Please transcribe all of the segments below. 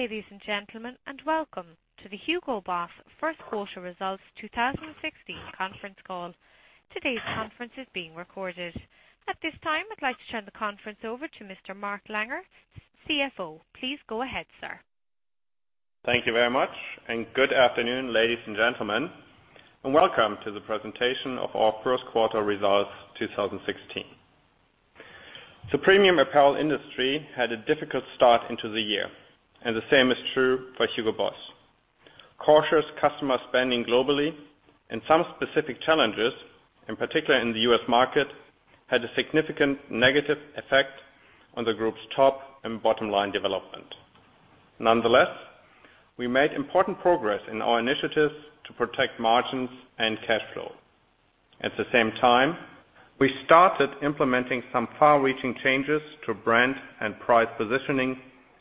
Ladies and gentlemen, welcome to the Hugo Boss First Quarter Results 2016 conference call. Today's conference is being recorded. At this time, I'd like to turn the conference over to Mr Mark Langer, CFO. Please go ahead, sir. Thank you very much, good afternoon, ladies and gentlemen. Welcome to the presentation of our first quarter results 2016. The premium apparel industry had a difficult start into the year, and the same is true for Hugo Boss. Cautious customer spending globally and some specific challenges, in particular in the U.S. market, had a significant negative effect on the group's top and bottom line development. Nonetheless, we made important progress in our initiatives to protect margins and cash flow. At the same time, we started implementing some far-reaching changes to brand and price positioning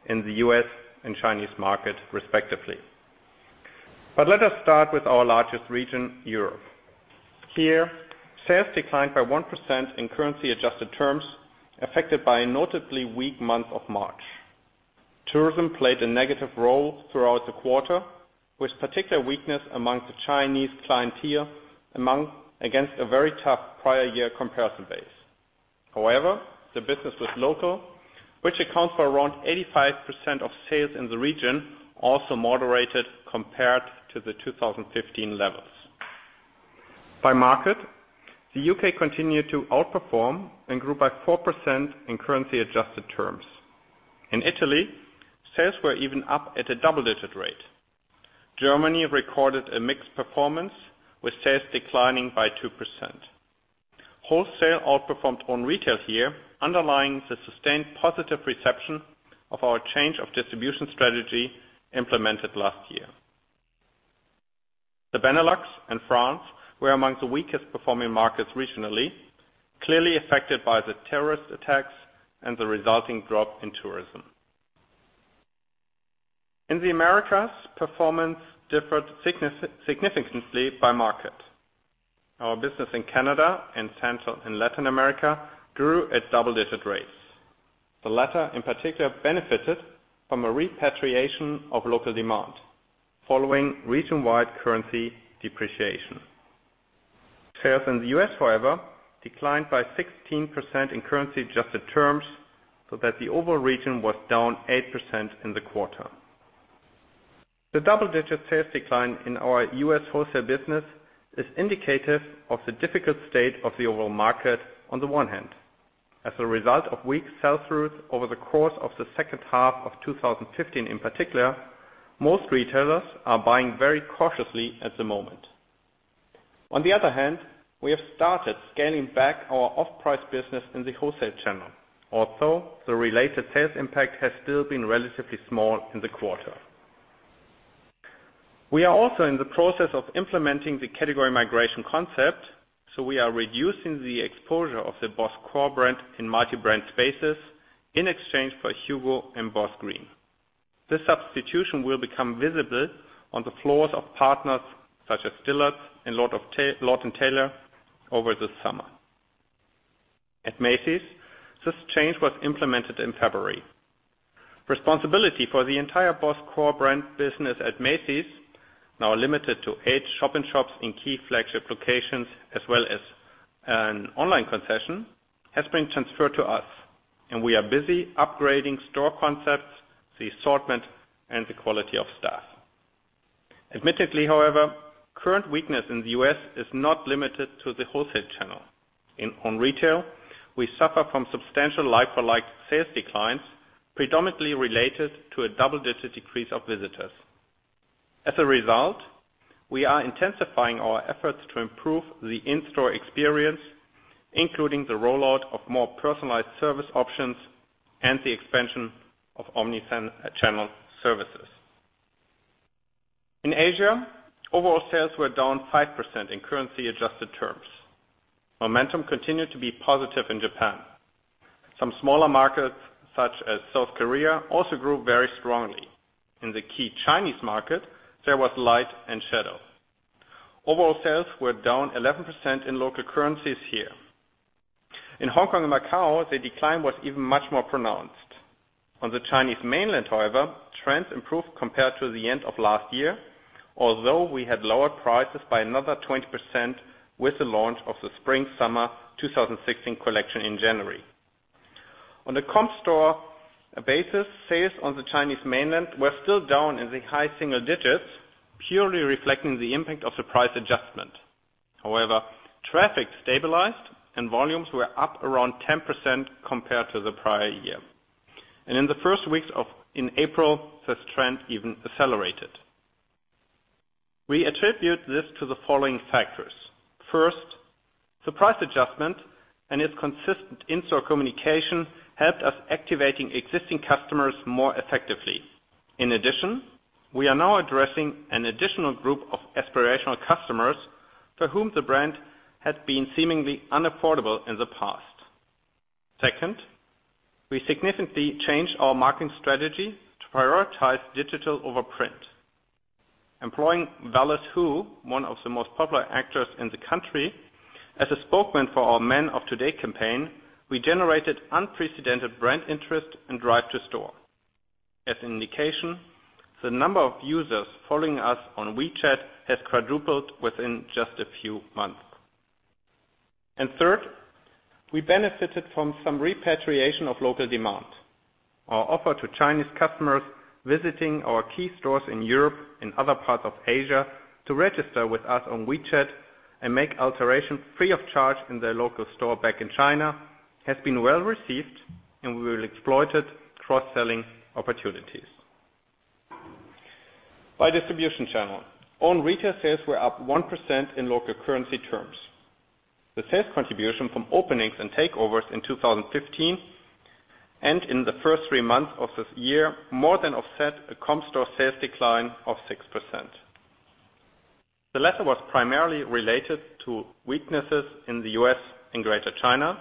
in the U.S. and Chinese market, respectively. Let us start with our largest region, Europe. Here, sales declined by 1% in currency-adjusted terms, affected by a notably weak month of March. Tourism played a negative role throughout the quarter, with particular weakness among the Chinese clientele against a very tough prior year comparison base. However, the business with local, which accounts for around 85% of sales in the region, also moderated compared to the 2015 levels. By market, the U.K. continued to outperform and grew by 4% in currency-adjusted terms. In Italy, sales were even up at a double-digit rate. Germany recorded a mixed performance, with sales declining by 2%. Wholesale outperformed on retail here, underlying the sustained positive reception of our change of distribution strategy implemented last year. The Benelux and France were among the weakest performing markets regionally, clearly affected by the terrorist attacks and the resulting drop in tourism. In the Americas, performance differed significantly by market. Our business in Canada and Latin America grew at double-digit rates. The latter, in particular, benefited from a repatriation of local demand following region-wide currency depreciation. Sales in the U.S., however, declined by 16% in currency-adjusted terms, so that the overall region was down 8% in the quarter. The double-digit sales decline in our U.S. wholesale business is indicative of the difficult state of the overall market on the one hand. As a result of weak sell-through over the course of the second half of 2015 in particular, most retailers are buying very cautiously at the moment. On the other hand, we have started scaling back our off-price business in the wholesale channel, although the related sales impact has still been relatively small in the quarter. We are also in the process of implementing the category migration concept, so we are reducing the exposure of the BOSS core brand in multi-brand spaces in exchange for HUGO and BOSS Green. This substitution will become visible on the floors of partners such as Dillard's and Lord & Taylor over the summer. At Macy's, this change was implemented in February. Responsibility for the entire BOSS core brand business at Macy's, now limited to eight shop-in-shops in key flagship locations, as well as an online concession, has been transferred to us, and we are busy upgrading store concepts, the assortment, and the quality of staff. Admittedly, however, current weakness in the U.S. is not limited to the wholesale channel. In own retail, we suffer from substantial like-for-like sales declines, predominantly related to a double-digit decrease of visitors. As a result, we are intensifying our efforts to improve the in-store experience, including the rollout of more personalized service options and the expansion of omni-channel services. In Asia, overall sales were down 5% in currency-adjusted terms. Momentum continued to be positive in Japan. Some smaller markets, such as South Korea, also grew very strongly. In the key Chinese market, there was light and shadow. Overall sales were down 11% in local currencies here. In Hong Kong and Macau, the decline was even much more pronounced. On the Chinese mainland, however, trends improved compared to the end of last year, although we had lowered prices by another 20% with the launch of the Spring-Summer 2016 collection in January. On a comp store basis, sales on the Chinese mainland were still down in the high single digits, purely reflecting the impact of the price adjustment. However, traffic stabilized, and volumes were up around 10% compared to the prior year. In the first weeks in April, this trend even accelerated. We attribute this to the following factors. First, the price adjustment and its consistent in-store communication helped us activating existing customers more effectively. In addition, we are now addressing an additional group of aspirational customers for whom the brand had been seemingly unaffordable in the past. Second, we significantly changed our marketing strategy to prioritize digital over print. Employing Wallace Huo, one of the most popular actors in the country, as a spokesman for our Man of Today campaign, we generated unprecedented brand interest and drive to store. As an indication, the number of users following us on WeChat has quadrupled within just a few months. Third, we benefited from some repatriation of local demand. Our offer to Chinese customers visiting our key stores in Europe and other parts of Asia to register with us on WeChat and make alterations free of charge in their local store back in China has been well-received, and we will exploit cross-selling opportunities. By distribution channel. Own retail sales were up 1% in local currency terms. The sales contribution from openings and takeovers in 2015 and in the first three months of this year more than offset a comp store sales decline of 6%. The latter was primarily related to weaknesses in the U.S. and Greater China,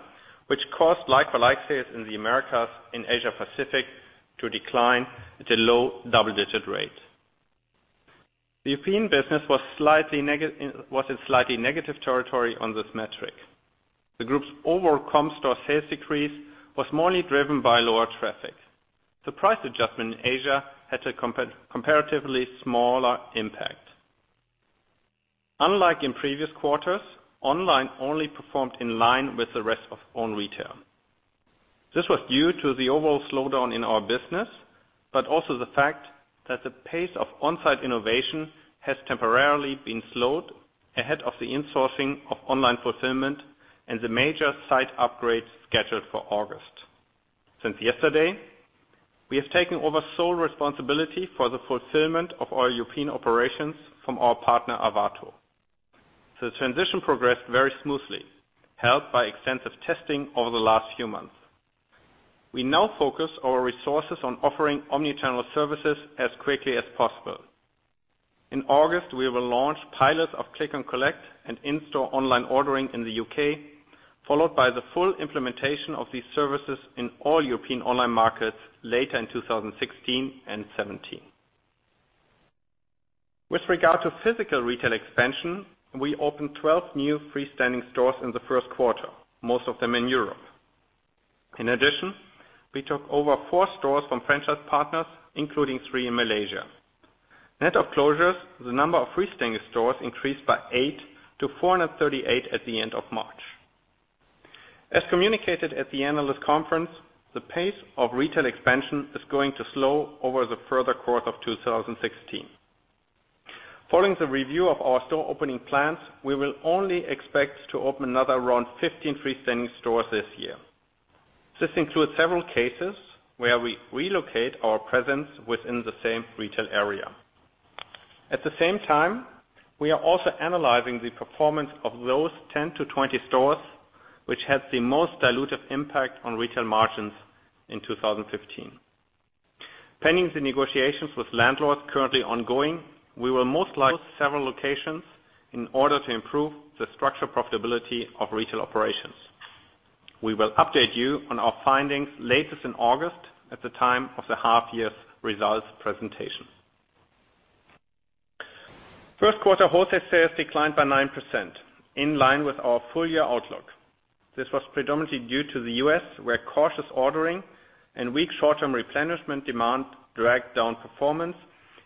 which caused like-for-like sales in the Americas and Asia Pacific to decline at a low double-digit rate. The European business was in slightly negative territory on this metric. The group's overall comp store sales decrease was mainly driven by lower traffic. The price adjustment in Asia had a comparatively smaller impact. Unlike in previous quarters, online only performed in line with the rest of own retail. This was due to the overall slowdown in our business, but also the fact that the pace of on-site innovation has temporarily been slowed ahead of the insourcing of online fulfillment and the major site upgrades scheduled for August. Since yesterday, we have taken over sole responsibility for the fulfillment of our European operations from our partner, Arvato. The transition progressed very smoothly, helped by extensive testing over the last few months. We now focus our resources on offering omni-channel services as quickly as possible. In August, we will launch pilots of click and collect and in-store online ordering in the U.K., followed by the full implementation of these services in all European online markets later in 2016 and 2017. With regard to physical retail expansion, we opened 12 new freestanding stores in the first quarter, most of them in Europe. In addition, we took over four stores from franchise partners, including three in Malaysia. Net of closures, the number of freestanding stores increased by eight to 438 at the end of March. As communicated at the analyst conference, the pace of retail expansion is going to slow over the further course of 2016. Following the review of our store opening plans, we will only expect to open another around 15 freestanding stores this year. This includes several cases where we relocate our presence within the same retail area. At the same time, we are also analyzing the performance of those 10 to 20 stores which had the most dilutive impact on retail margins in 2015. Pending the negotiations with landlords currently ongoing, we will most likely close several locations in order to improve the structural profitability of retail operations. We will update you on our findings latest in August at the time of the half-year results presentation. First quarter wholesale sales declined by 9%, in line with our full-year outlook. This was predominantly due to the U.S., where cautious ordering and weak short-term replenishment demand dragged down performance,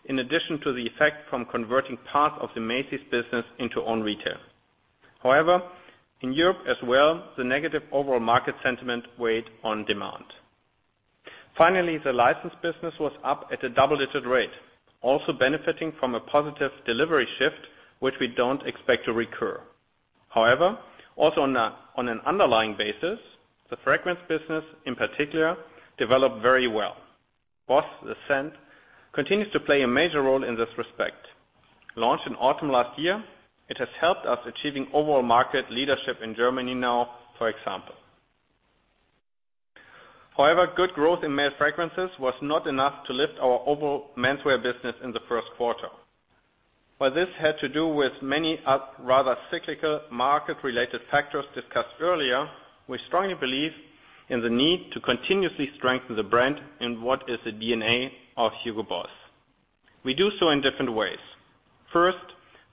in addition to the effect from converting part of the Macy's business into own retail. However, in Europe as well, the negative overall market sentiment weighed on demand. Finally, the license business was up at a double-digit rate, also benefiting from a positive delivery shift, which we don't expect to recur. However, also on an underlying basis, the fragrance business, in particular, developed very well. BOSS The Scent continues to play a major role in this respect. Launched in autumn last year, it has helped us achieving overall market leadership in Germany now, for example. However, good growth in men's fragrances was not enough to lift our overall menswear business in the first quarter. While this had to do with many rather cyclical market-related factors discussed earlier, we strongly believe in the need to continuously strengthen the brand in what is the DNA of Hugo Boss. We do so in different ways. First,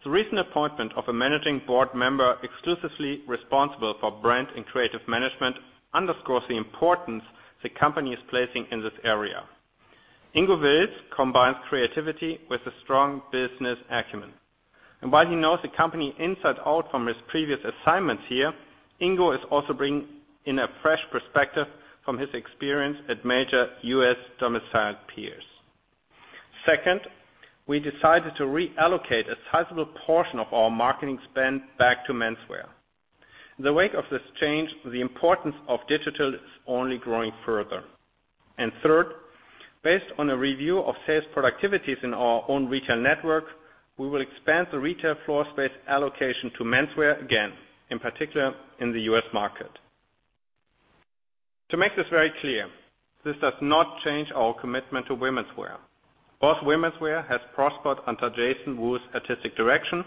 the recent appointment of a managing board member exclusively responsible for brand and creative management underscores the importance the company is placing in this area. Ingo Wilts combines creativity with a strong business acumen. And while he knows the company inside out from his previous assignments here, Ingo is also bringing in a fresh perspective from his experience at major U.S. domiciled peers. Second, we decided to reallocate a sizable portion of our marketing spend back to menswear. In the wake of this change, the importance of digital is only growing further. Third, based on a review of sales productivities in our own retail network, we will expand the retail floor space allocation to menswear again, in particular in the U.S. market. To make this very clear, this does not change our commitment to womenswear. BOSS womenswear has prospered under Jason Wu's artistic direction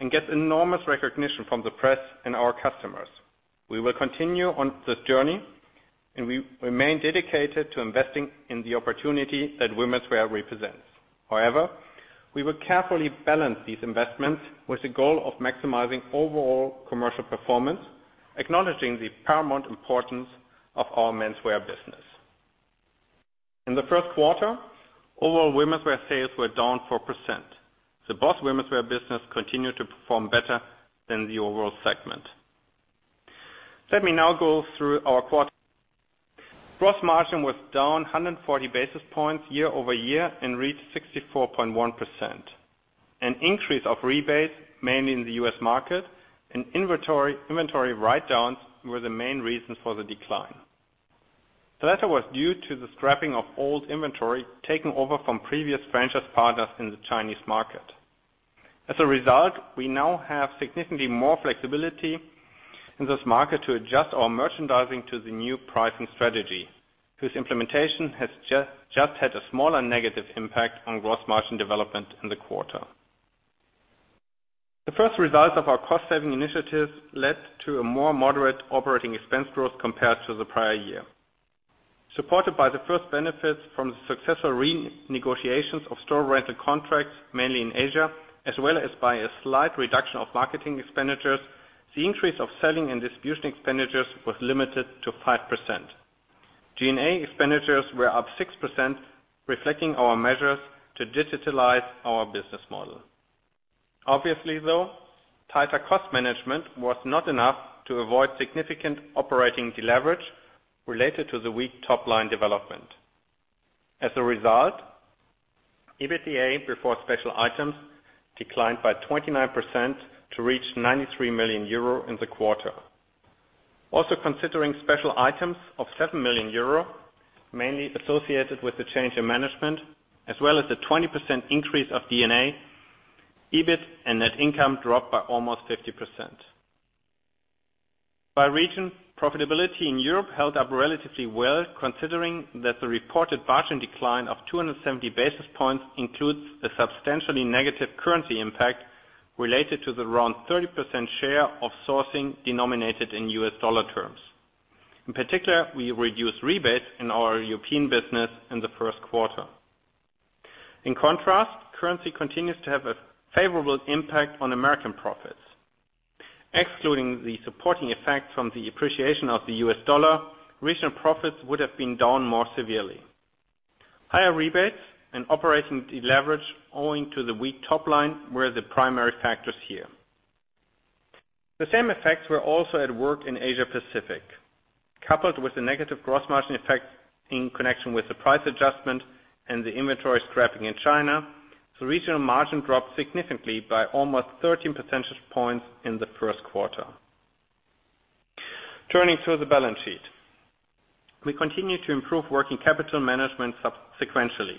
and gets enormous recognition from the press and our customers. We will continue on this journey. We remain dedicated to investing in the opportunity that womenswear represents. However, we will carefully balance these investments with the goal of maximizing overall commercial performance, acknowledging the paramount importance of our menswear business. In the first quarter, overall womenswear sales were down 4%. The BOSS womenswear business continued to perform better than the overall segment. Let me now go through our quarter. Gross margin was down 140 basis points year-over-year and reached 64.1%. Increase of rebates, mainly in the U.S. market, and inventory write-downs were the main reasons for the decline. The latter was due to the scrapping of old inventory taken over from previous franchise partners in the Chinese market. As a result, we now have significantly more flexibility in this market to adjust our merchandising to the new pricing strategy, whose implementation has just had a smaller negative impact on gross margin development in the quarter. The first results of our cost-saving initiatives led to a more moderate operating expense growth compared to the prior year. Supported by the first benefits from the successful renegotiations of store rental contracts, mainly in Asia, as well as by a slight reduction of marketing expenditures, the increase of selling and distribution expenditures was limited to 5%. G&A expenditures were up 6%, reflecting our measures to digitalize our business model. Obviously, though, tighter cost management was not enough to avoid significant operating deleverage related to the weak top-line development. As a result, EBITDA before special items declined by 29% to reach 93 million euro in the quarter. Also considering special items of 7 million euro, mainly associated with the change in management, as well as a 20% increase of D&A, EBIT and net income dropped by almost 50%. By region, profitability in Europe held up relatively well, considering that the reported margin decline of 270 basis points includes a substantially negative currency impact related to the around 30% share of sourcing denominated in U.S. dollar terms. In particular, we reduced rebates in our European business in the first quarter. In contrast, currency continues to have a favorable impact on American profits. Excluding the supporting effect from the appreciation of the U.S. dollar, regional profits would have been down more severely. Higher rebates and operating deleverage owing to the weak top line were the primary factors here. The same effects were also at work in Asia Pacific. Coupled with the negative gross margin effect in connection with the price adjustment and the inventory scrapping in China, the regional margin dropped significantly by almost 13 percentage points in the first quarter. Turning to the balance sheet. We continue to improve working capital management sequentially.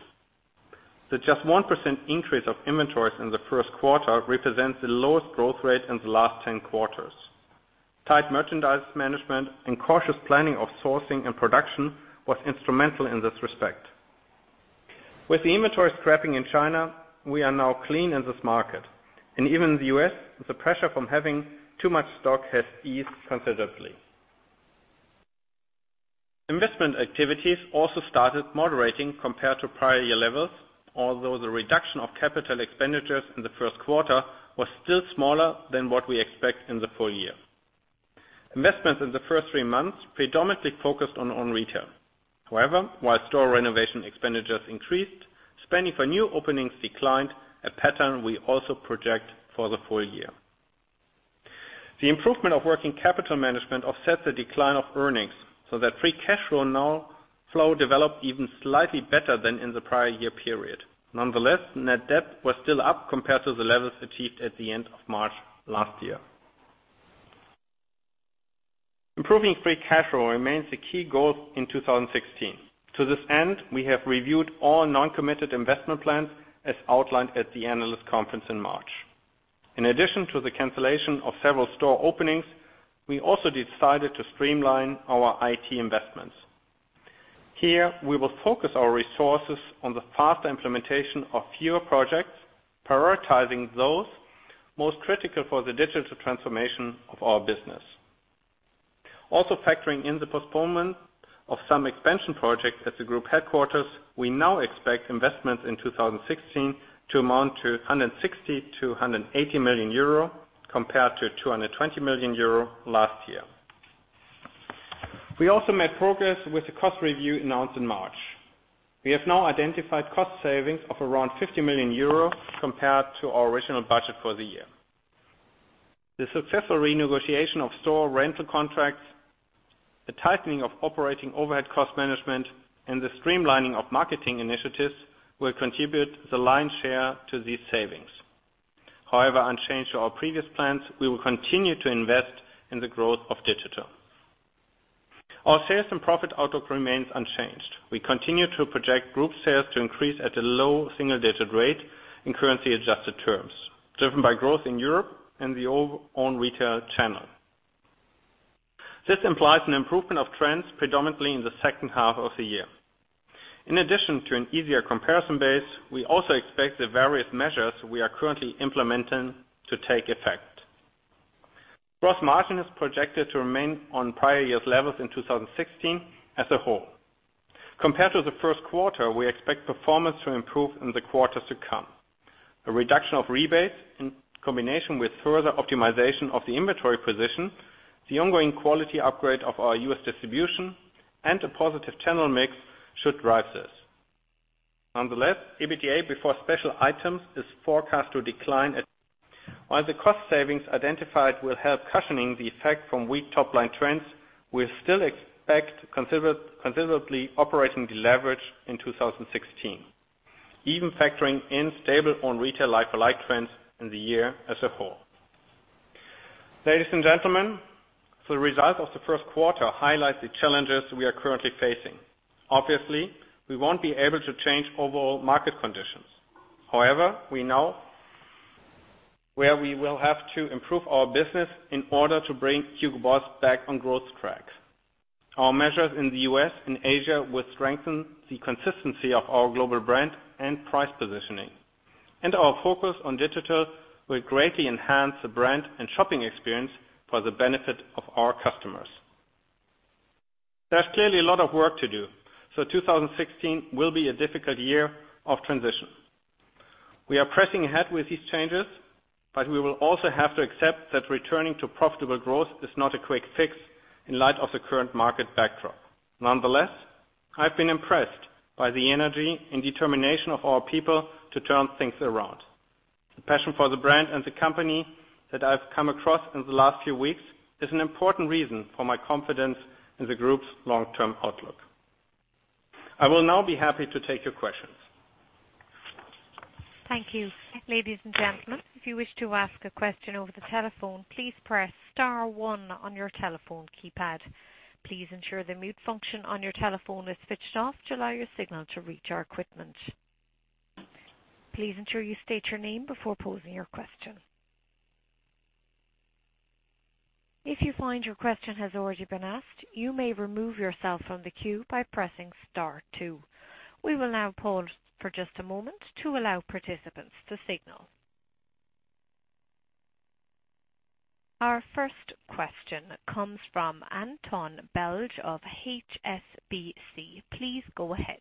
The just 1% increase of inventories in the first quarter represents the lowest growth rate in the last 10 quarters. Tight merchandise management and cautious planning of sourcing and production was instrumental in this respect. With the inventory scrapping in China, we are now clean in this market, and even in the U.S., the pressure from having too much stock has eased considerably. Investment activities also started moderating compared to prior year levels, although the reduction of capital expenditures in the first quarter was still smaller than what we expect in the full year. Investments in the first three months predominantly focused on own retail. While store renovation expenditures increased, spending for new openings declined, a pattern we also project for the full year. The improvement of working capital management offsets the decline of earnings, free cash flow developed even slightly better than in the prior year period. Nonetheless, net debt was still up compared to the levels achieved at the end of March last year. Improving free cash flow remains a key goal in 2016. To this end, we have reviewed all non-committed investment plans as outlined at the analyst conference in March. In addition to the cancellation of several store openings, we also decided to streamline our IT investments. Here, we will focus our resources on the faster implementation of fewer projects, prioritizing those most critical for the digital transformation of our business. Factoring in the postponement of some expansion projects at the group headquarters, we now expect investments in 2016 to amount to 160 million-180 million euro compared to 220 million euro last year. We also made progress with the cost review announced in March. We have now identified cost savings of around 50 million euros compared to our original budget for the year. The successful renegotiation of store rental contracts, the tightening of operating overhead cost management, and the streamlining of marketing initiatives will contribute the lion's share to these savings. Unchanged to our previous plans, we will continue to invest in the growth of digital. Our sales and profit outlook remains unchanged. We continue to project group sales to increase at a low single-digit rate in currency-adjusted terms, driven by growth in Europe and the own retail channel. This implies an improvement of trends predominantly in the second half of the year. In addition to an easier comparison base, we also expect the various measures we are currently implementing to take effect. Gross margin is projected to remain on prior years levels in 2016 as a whole. Compared to the first quarter, we expect performance to improve in the quarters to come. A reduction of rebates in combination with further optimization of the inventory position, the ongoing quality upgrade of our U.S. distribution, and a positive channel mix should drive this. Nonetheless, EBITDA before special items is forecast to decline. The cost savings identified will help cushioning the effect from weak top-line trends, we still expect considerably operating deleverage in 2016, even factoring in stable on retail like-for-like trends in the year as a whole. Ladies and gentlemen, the result of the first quarter highlights the challenges we are currently facing. Obviously, we won't be able to change overall market conditions. We know where we will have to improve our business in order to bring Hugo Boss back on growth track. Our measures in the U.S. and Asia will strengthen the consistency of our global brand and price positioning. Our focus on digital will greatly enhance the brand and shopping experience for the benefit of our customers. There's clearly a lot of work to do, 2016 will be a difficult year of transition. We are pressing ahead with these changes. We will also have to accept that returning to profitable growth is not a quick fix in light of the current market backdrop. Nonetheless, I've been impressed by the energy and determination of our people to turn things around. The passion for the brand and the company that I've come across in the last few weeks is an important reason for my confidence in the group's long-term outlook. I will now be happy to take your questions. Thank you. Ladies and gentlemen, if you wish to ask a question over the telephone, please press *1 on your telephone keypad. Please ensure the mute function on your telephone is switched off to allow your signal to reach our equipment. Please ensure you state your name before posing your question. If you find your question has already been asked, you may remove yourself from the queue by pressing *2. We will now pause for just a moment to allow participants to signal. Our first question comes from Antoine Belge of HSBC. Please go ahead.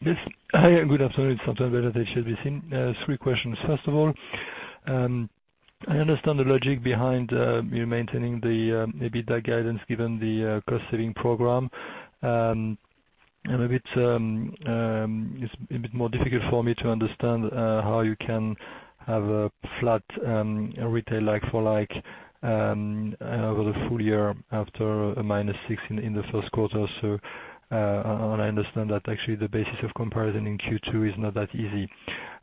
Yes. Hi, good afternoon. It's Antoine Belge at HSBC. Three questions. First of all, I understand the logic behind you maintaining the EBITDA guidance given the cost-saving program. It's a bit more difficult for me to understand, how you can have a flat, retail like-for-like, over the full year after a minus six in the first quarter. I understand that actually the basis of comparison in Q2 is not that easy.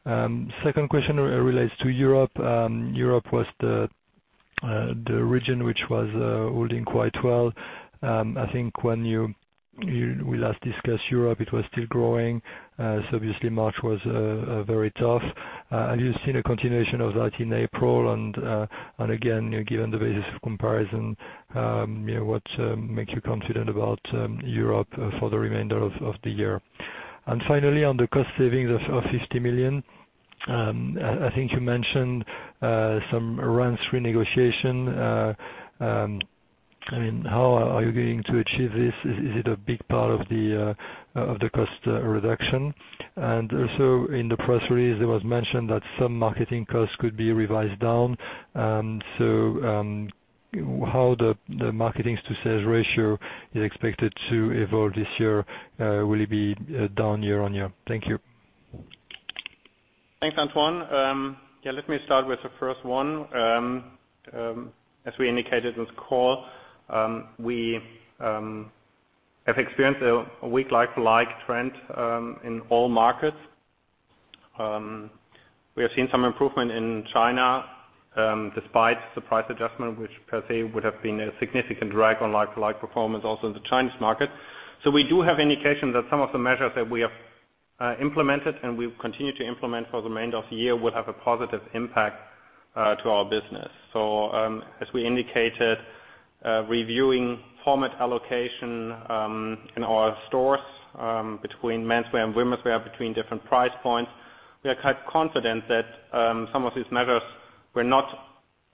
Second question relates to Europe. Europe was the region which was holding quite well. I think when we last discussed Europe, it was still growing. Obviously March was very tough. Have you seen a continuation of that in April? Again, given the basis of comparison, what makes you confident about Europe for the remainder of the year? Finally, on the cost savings of 50 million, I think you mentioned some rent renegotiation. How are you going to achieve this? Is it a big part of the cost reduction? Also, in the press release, it was mentioned that some marketing costs could be revised down. How the marketing to sales ratio is expected to evolve this year? Will it be down year-on-year? Thank you. Thanks, Antoine. Yeah, let me start with the first one. As we indicated in this call, we have experienced a weak like-for-like trend in all markets. We have seen some improvement in China, despite the price adjustment, which per se would have been a significant drag on like-for-like performance also in the Chinese market. We do have indication that some of the measures that we have implemented and we'll continue to implement for the remainder of the year will have a positive impact to our business. As we indicated, reviewing format allocation in our stores, between menswear and womenswear, between different price points, we are quite confident that some of these measures were not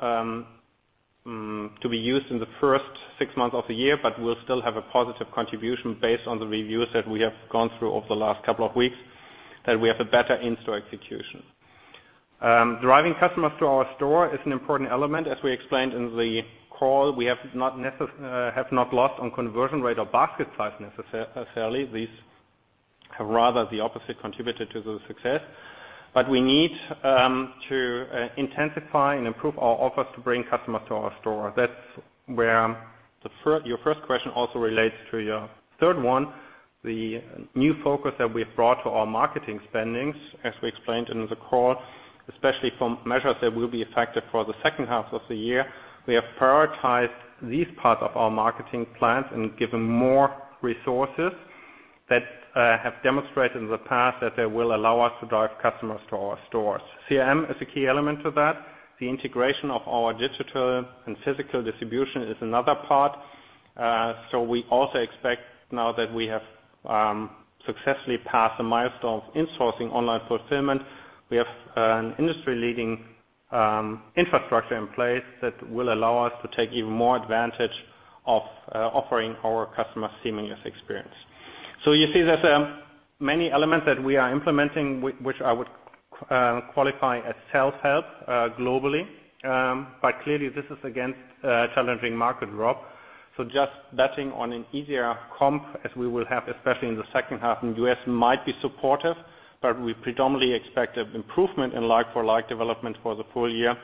to be used in the first six months of the year, but will still have a positive contribution based on the reviews that we have gone through over the last couple of weeks, that we have a better in-store execution. Driving customers to our store is an important element. As we explained in the call, we have not lost on conversion rate or basket size necessarily. These have rather the opposite contributed to the success. We need to intensify and improve our offers to bring customers to our store. That's where your first question also relates to your third one, the new focus that we have brought to our marketing spendings, as we explained in the call, especially from measures that will be effective for the second half of the year. We have prioritized these parts of our marketing plans and given more resources that have demonstrated in the past that they will allow us to drive customers to our stores. CRM is a key element to that. The integration of our digital and physical distribution is another part. We also expect now that we have successfully passed a milestone of insourcing online fulfillment. We have an industry-leading infrastructure in place that will allow us to take even more advantage of offering our customers seamless experience. You see that many elements that we are implementing, which I would qualify as self-help globally. Clearly, this is, again, a challenging market drop. Just betting on an easier comp as we will have, especially in the second half in the U.S., might be supportive, but we predominantly expect an improvement in like-for-like development for the full year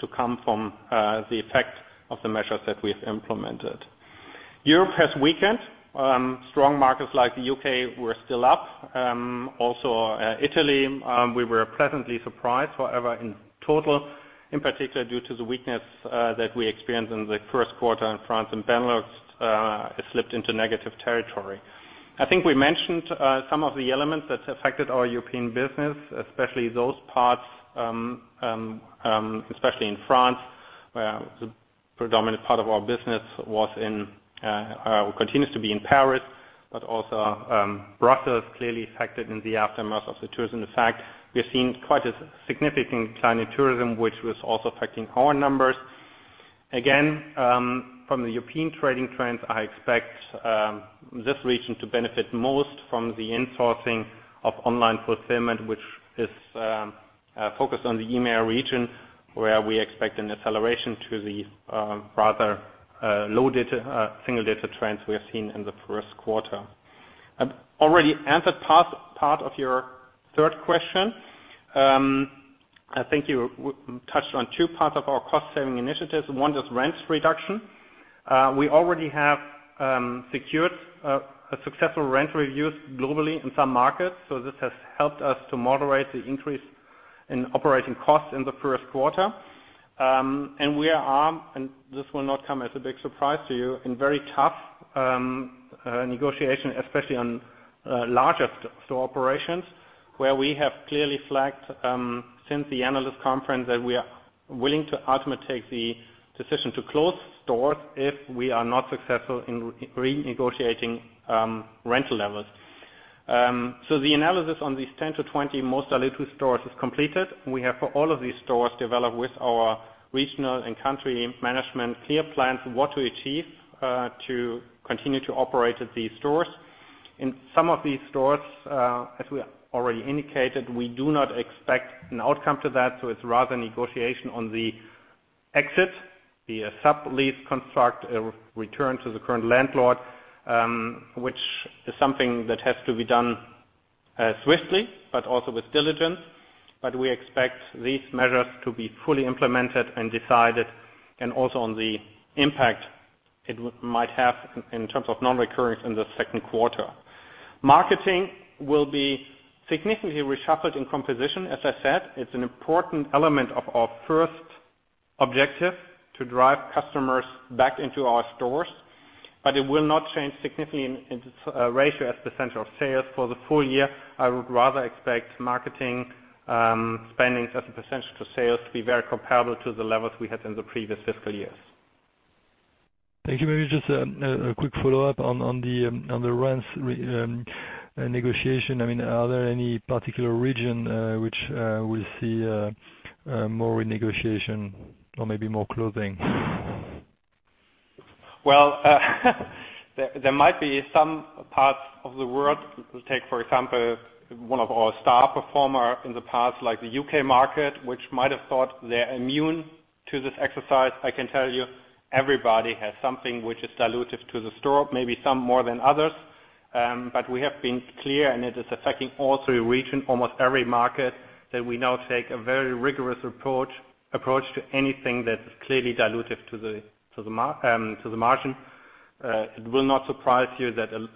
to come from the effect of the measures that we've implemented. Europe has weakened. Strong markets like the U.K. were still up. Also Italy, we were pleasantly surprised. However, in total, in particular, due to the weakness that we experienced in the first quarter in France and Benelux, it slipped into negative territory. I think we mentioned some of the elements that affected our European business, especially those parts, especially in France, where the predominant part of our business continues to be in Paris, but also Brussels clearly affected in the aftermath of the tourism effect. We have seen quite a significant decline in tourism, which was also affecting our numbers. From the European trading trends, I expect this region to benefit most from the insourcing of online fulfillment, which is focused on the EMEA region, where we expect an acceleration to the rather low single-digit trends we have seen in the first quarter. I've already answered part of your third question. I think you touched on two parts of our cost-saving initiatives. One is rents reduction. We already have secured a successful rent review globally in some markets, so this has helped us to moderate the increase in operating costs in the first quarter. We are, and this will not come as a big surprise to you, in very tough negotiation, especially on larger store operations, where we have clearly flagged since the analyst conference that we are willing to ultimately take the decision to close stores if we are not successful in renegotiating rental levels. The analysis on these 10-20 most dilutive stores is completed. We have, for all of these stores, developed with our regional and country management clear plans what to achieve to continue to operate at these stores. In some of these stores, as we already indicated, we do not expect an outcome to that. It's rather negotiation on the exit, the sublease construct, a return to the current landlord, which is something that has to be done swiftly, but also with diligence. We expect these measures to be fully implemented and decided and also on the impact it might have in terms of non-recurrence in the second quarter. Marketing will be significantly reshuffled in composition. As I said, it's an important element of our first objective to drive customers back into our stores, but it will not change significantly in its ratio as a percentage of sales. For the full year, I would rather expect marketing spendings as a percentage to sales to be very comparable to the levels we had in the previous fiscal years. Thank you. Maybe just a quick follow-up on the rents negotiation. Are there any particular region which will see more renegotiation or maybe more closing? There might be some parts of the world. Take, for example, one of our star performer in the past, like the U.K. market, which might have thought they're immune to this exercise. I can tell you everybody has something which is dilutive to the store, maybe some more than others. We have been clear, and it is affecting also a region, almost every market, that we now take a very rigorous approach to anything that is clearly dilutive to the margin. It will not surprise you that a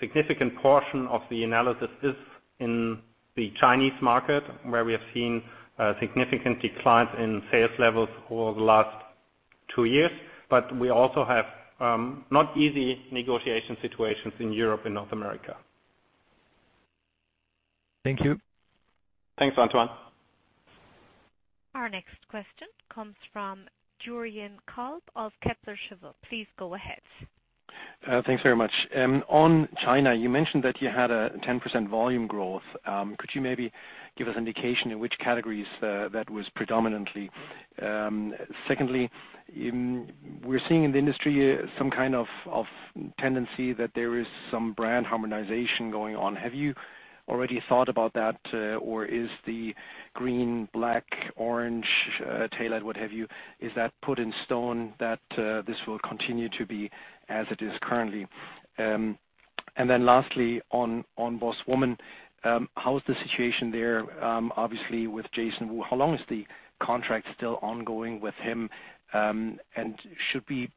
significant portion of the analysis is in the Chinese market, where we have seen a significant decline in sales levels over the last two years. We also have not easy negotiation situations in Europe and North America. Thank you. Thanks, Antoine. Our next question comes from Jürgen Kolb of Kepler Cheuvreux. Please go ahead. Thanks very much. On China, you mentioned that you had a 10% volume growth. Could you maybe give us indication in which categories that was predominantly? Secondly, we're seeing in the industry some kind of tendency that there is some brand harmonization going on. Have you already thought about that? Or is the BOSS Green, black, BOSS Orange tailored, what have you, is that put in stone that this will continue to be as it is currently? Lastly, on BOSS Woman, how is the situation there? Obviously, with Jason Wu. How long is the contract still ongoing with him? Should we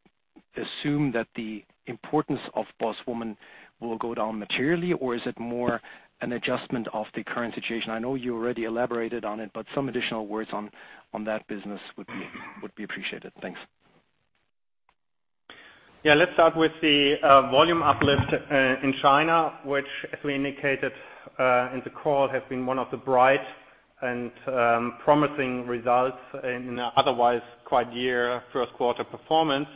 assume that the importance of BOSS Woman will go down materially, or is it more an adjustment of the current situation? I know you already elaborated on it, but some additional words on that business would be appreciated. Thanks. Yeah, let's start with the volume uplift in China, which, as we indicated in the call, has been one of the bright and promising results in an otherwise quiet year, first quarter performance.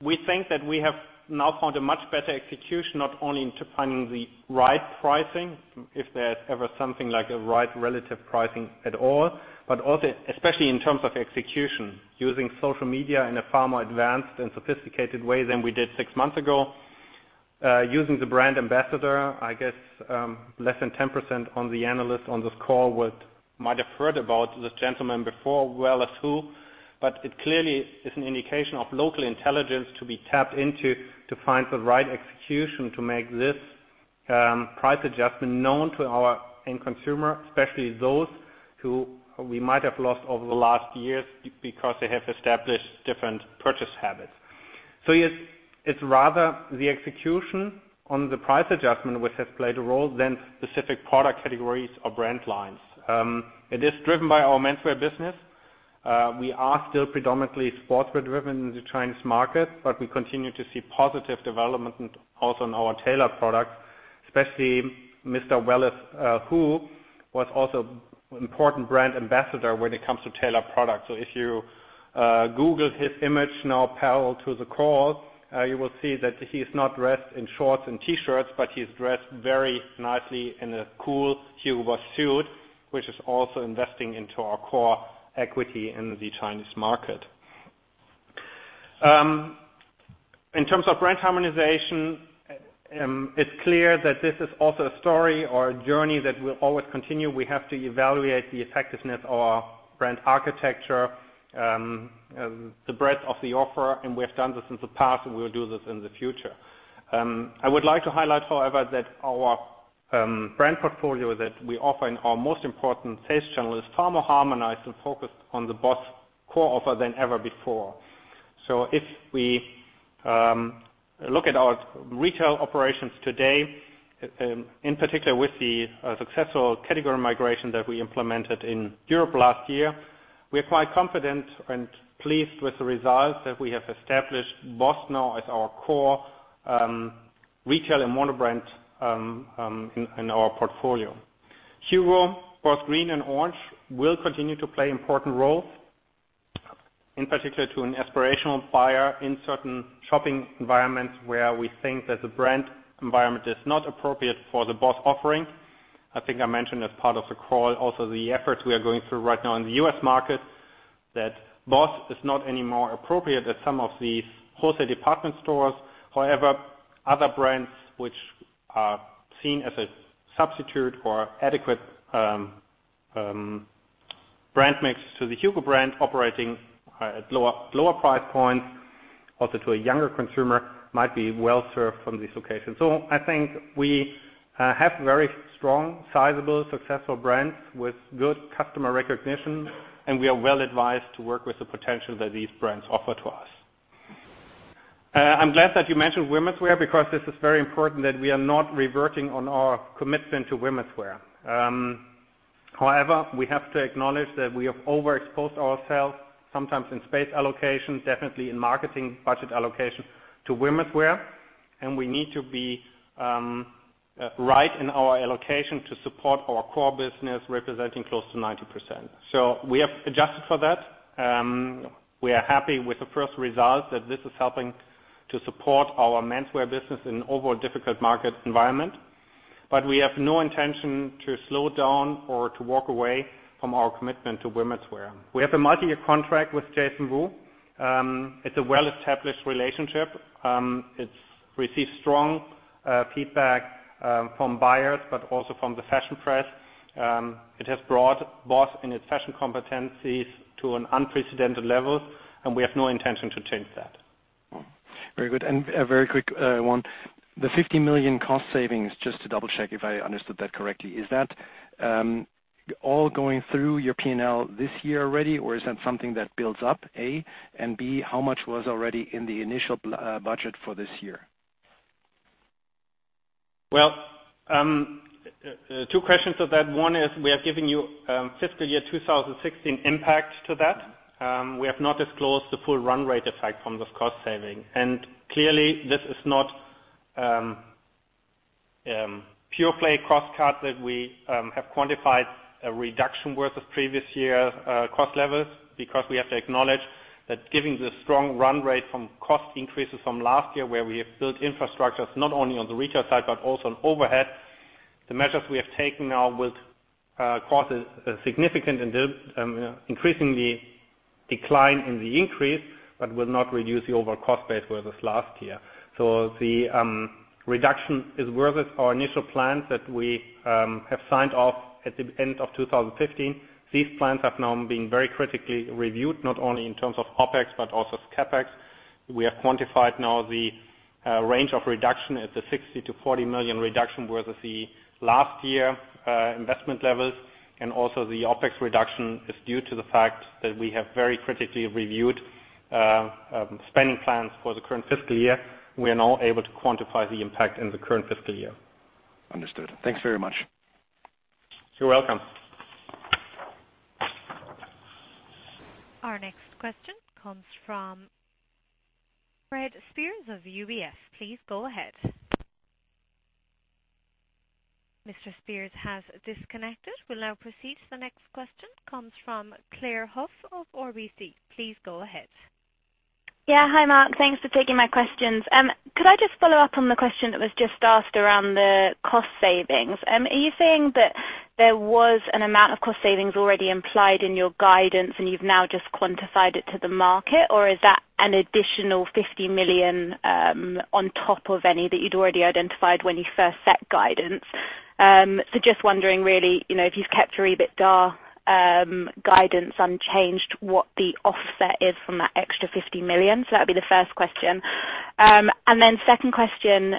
We think that we have now found a much better execution, not only into finding the right pricing, if there's ever something like a right relative pricing at all, but also especially in terms of execution, using social media in a far more advanced and sophisticated way than we did six months ago. Using the brand ambassador, I guess, less than 10% on the analyst on this call might have heard about this gentleman before, Wallace Huo. It clearly is an indication of local intelligence to be tapped into to find the right execution to make this price adjustment known to our end consumer, especially those who we might have lost over the last years because they have established different purchase habits. It's rather the execution on the price adjustment which has played a role than specific product categories or brand lines. It is driven by our menswear business. We are still predominantly sportswear driven in the Chinese market, but we continue to see positive development also in our tailored products. Especially Mr. Wallace Huo, who was also important brand ambassador when it comes to tailored products. If you Google his image now parallel to the call, you will see that he is not dressed in shorts and T-shirts, but he's dressed very nicely in a cool Hugo Boss suit, which is also investing into our core equity in the Chinese market. In terms of brand harmonization, it's clear that this is also a story or a journey that will always continue. We have to evaluate the effectiveness of our brand architecture, the breadth of the offer, and we have done this in the past, and we will do this in the future. I would like to highlight, however, that our brand portfolio that we offer in our most important sales channel is far more harmonized and focused on the BOSS core offer than ever before. If we look at our retail operations today, in particular with the successful category migration that we implemented in Europe last year, we are quite confident and pleased with the results that we have established BOSS now as our core retail and mono-brand in our portfolio. HUGO, both green and orange, will continue to play important roles, in particular to an aspirational buyer in certain shopping environments where we think that the brand environment is not appropriate for the BOSS offering. I think I mentioned as part of the call also the efforts we are going through right now in the U.S. market, that BOSS is not any more appropriate at some of the wholesale department stores. Other brands which are seen as a substitute or adequate brand mix to the HUGO brand operating at lower price points, also to a younger consumer, might be well-served from this location. I think we have very strong, sizable, successful brands with good customer recognition, and we are well advised to work with the potential that these brands offer to us. I'm glad that you mentioned womenswear because this is very important that we are not reverting on our commitment to womenswear. However, we have to acknowledge that we have overexposed ourselves, sometimes in space allocation, definitely in marketing budget allocation to womenswear, and we need to be right in our allocation to support our core business, representing close to 90%. We have adjusted for that. We are happy with the first result that this is helping to support our menswear business in an overall difficult market environment. We have no intention to slow down or to walk away from our commitment to womenswear. We have a multi-year contract with Jason Wu. It's a well-established relationship. It's received strong feedback from buyers, but also from the fashion press. It has brought BOSS and its fashion competencies to an unprecedented level, and we have no intention to change that. Very good. A very quick one. The 50 million cost savings, just to double-check if I understood that correctly, is that all going through your P&L this year already, or is that something that builds up, A? B, how much was already in the initial budget for this year? Two questions of that. One is, we have given you fiscal year 2016 impact to that. We have not disclosed the full run rate effect from this cost saving. Clearly, this is not pure play cost cut that we have quantified a reduction worth of previous year cost levels because we have to acknowledge that, given the strong run rate from cost increases from last year where we have built infrastructures not only on the retail side but also on overhead. The measures we have taken now will cause a significant increasingly decline in the increase but will not reduce the overall cost base versus last year. The reduction is worth our initial plans that we have signed off at the end of 2015. These plans have now been very critically reviewed, not only in terms of OpEx but also CapEx. We have quantified now the range of reduction at the 60 million to 40 million reduction versus the last year investment levels. Also, the OpEx reduction is due to the fact that we have very critically reviewed spending plans for the current fiscal year. We are now able to quantify the impact in the current fiscal year. Understood. Thanks very much. You're welcome. Our next question comes from Fred Speirs of UBS. Please go ahead. Mr. Speirs has disconnected. We'll now proceed to the next question, comes from Claire Huff of RBC. Please go ahead. Yeah. Hi, Mark. Thanks for taking my questions. Could I just follow up on the question that was just asked around the cost savings? Are you saying that there was an amount of cost savings already implied in your guidance, and you've now just quantified it to the market? Or is that an additional 50 million on top of any that you'd already identified when you first set guidance? Just wondering, really, if you've kept your EBITDA guidance unchanged, what the offset is from that extra 50 million. That'd be the first question. Second question,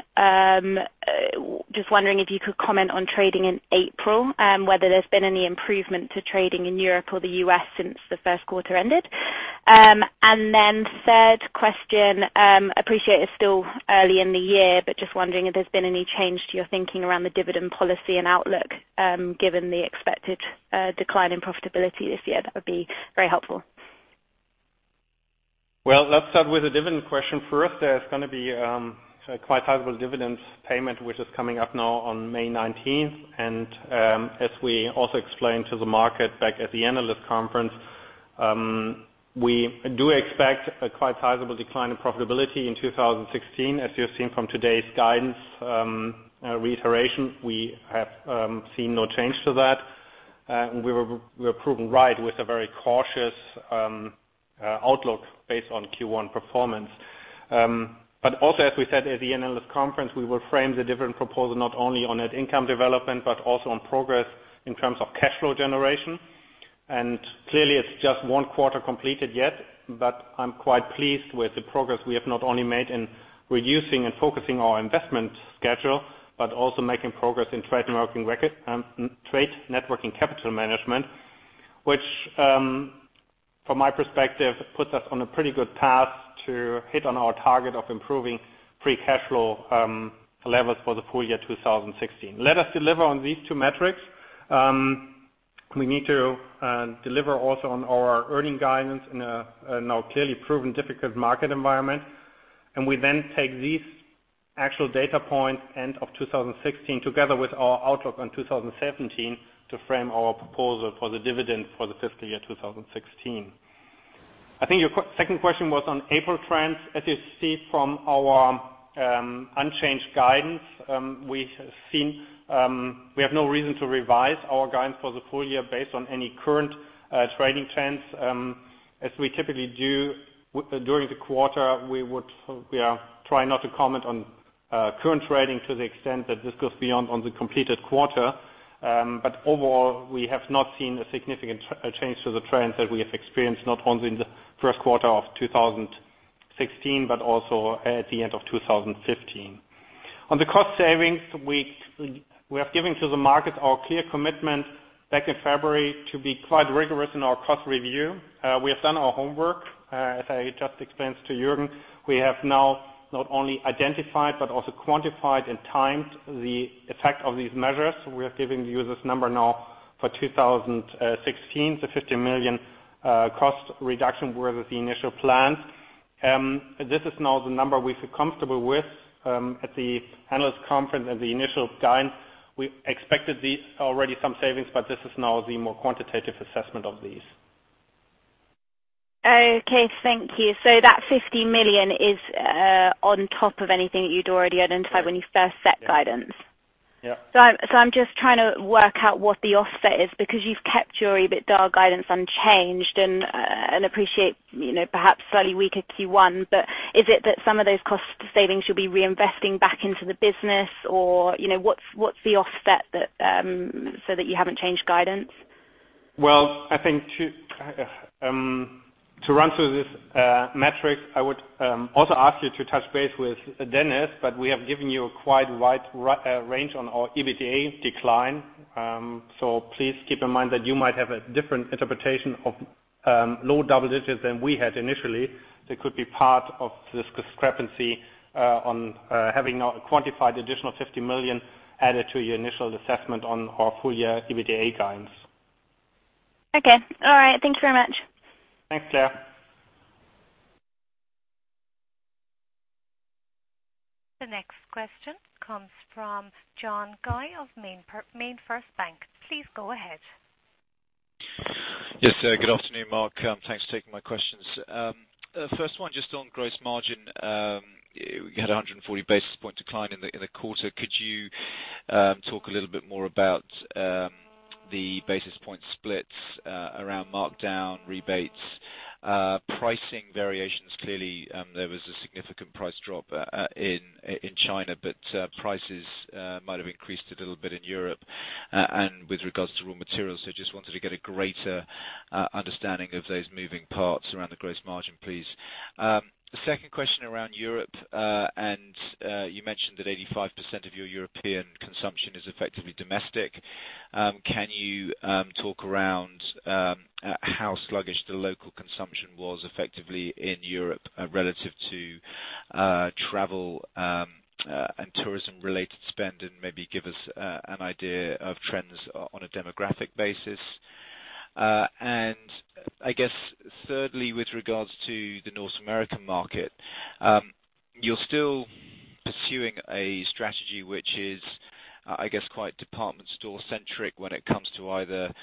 just wondering if you could comment on trading in April, whether there's been any improvement to trading in Europe or the U.S. since the first quarter ended. Third question, appreciate it's still early in the year, but just wondering if there's been any change to your thinking around the dividend policy and outlook, given the expected decline in profitability this year. That would be very helpful. Well, let's start with the dividend question first. There's going to be a quite sizable dividend payment, which is coming up now on May 19th. As we also explained to the market back at the analyst conference, we do expect a quite sizable decline in profitability in 2016. As you have seen from today's guidance reiteration, we have seen no change to that. We were proven right with a very cautious outlook based on Q1 performance. Also, as we said at the analyst conference, we will frame the different proposal not only on net income development, but also on progress in terms of cash flow generation. Clearly it's just one quarter completed yet, but I'm quite pleased with the progress we have not only made in reducing and focusing our investment schedule, but also making progress in trade working capital management, which, from my perspective, puts us on a pretty good path to hit on our target of improving free cash flow levels for the full year 2016. Let us deliver on these two metrics. We need to deliver also on our earnings guidance in a now clearly proven difficult market environment. We then take these actual data points end of 2016, together with our outlook on 2017, to frame our proposal for the dividend for the fiscal year 2016. I think your second question was on April trends. As you see from our unchanged guidance, we have no reason to revise our guidance for the full year based on any current trading trends. As we typically do during the quarter, we try not to comment on current trading to the extent that this goes beyond on the completed quarter. Overall, we have not seen a significant change to the trends that we have experienced, not only in the first quarter of 2016, but also at the end of 2015. On the cost savings, we have given to the market our clear commitment back in February to be quite rigorous in our cost review. We have done our homework. As I just explained to Jürgen, we have now not only identified but also quantified and timed the effect of these measures. We are giving you this number now for 2016, the 50 million cost reduction were with the initial plans. This is now the number we feel comfortable with. At the analyst conference and the initial guidance, we expected already some savings, This is now the more quantitative assessment of these. Okay, thank you. That 50 million is on top of anything that you'd already identified when you first set guidance? Yeah. I'm just trying to work out what the offset is, because you've kept your EBITDA guidance unchanged and appreciate perhaps slightly weaker Q1. Is it that some of those cost savings you'll be reinvesting back into the business? What's the offset so that you haven't changed guidance? Well, I think to run through this metric, I would also ask you to touch base with Dennis, we have given you a quite wide range on our EBITDA decline. Please keep in mind that you might have a different interpretation of low double digits than we had initially. That could be part of this discrepancy on having now quantified additional 50 million added to your initial assessment on our full year EBITDA guidance. Okay. All right. Thank you very much. Thanks, Claire. The next question comes from John Guy of MainFirst Bank. Please go ahead. Yes, good afternoon, Mark. Thanks for taking my questions. First one, just on gross margin. You had 140 basis point decline in the quarter. Could you talk a little bit more about the basis point splits around markdown rebates, pricing variations? Clearly there was a significant price drop in China, but prices might have increased a little bit in Europe. With regards to raw materials, just wanted to get a greater understanding of those moving parts around the gross margin, please. The second question around Europe, you mentioned that 85% of your European consumption is effectively domestic. Can you talk around how sluggish the local consumption was effectively in Europe relative to travel, and tourism related spend and maybe give us an idea of trends on a demographic basis. I guess thirdly with regards to the North American market. You're still pursuing a strategy, which is quite department store centric when it comes to either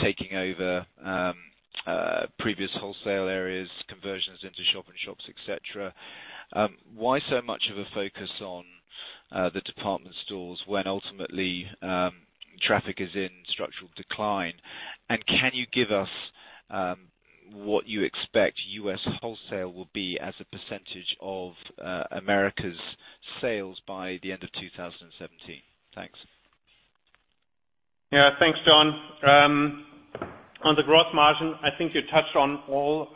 taking over previous wholesale areas, conversions into shop-in-shops, et cetera. Why so much of a focus on the department stores when ultimately traffic is in structural decline? Can you give us what you expect U.S. wholesale will be as a percentage of Americas sales by the end of 2017? Thanks. Yeah. Thanks, John. On the gross margin, I think you touched on all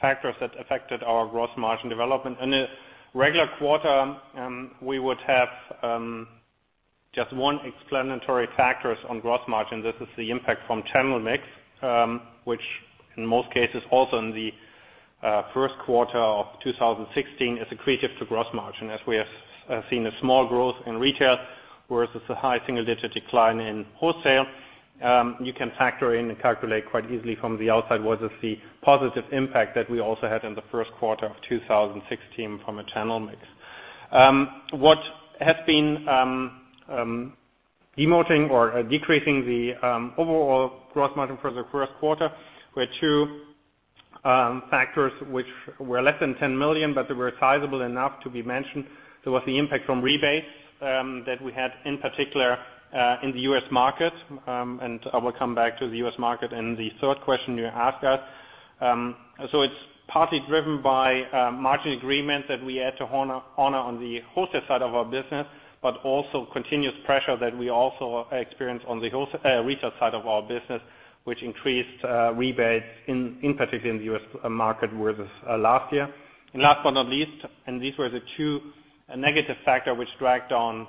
factors that affected our gross margin development. In a regular quarter, we would have just one explanatory factors on gross margin. This is the impact from channel mix, which in most cases, also in the first quarter of 2016, is accretive to gross margin as we have seen a small growth in retail, whereas it's a high single-digit decline in wholesale. You can factor in and calculate quite easily from the outside versus the positive impact that we also had in the first quarter of 2016 from a channel mix. What has been demoting or decreasing the overall gross margin for the first quarter were two factors which were less than 10 million, but they were sizable enough to be mentioned. There was the impact from rebates that we had in particular, in the U.S. market. I will come back to the U.S. market in the third question you asked us. It's partly driven by margin agreements that we had to honor on the wholesale side of our business, but also continuous pressure that we also experience on the retail side of our business, which increased rebates in particular in the U.S. market versus last year. Last but not least, and these were the two negative factors which dragged on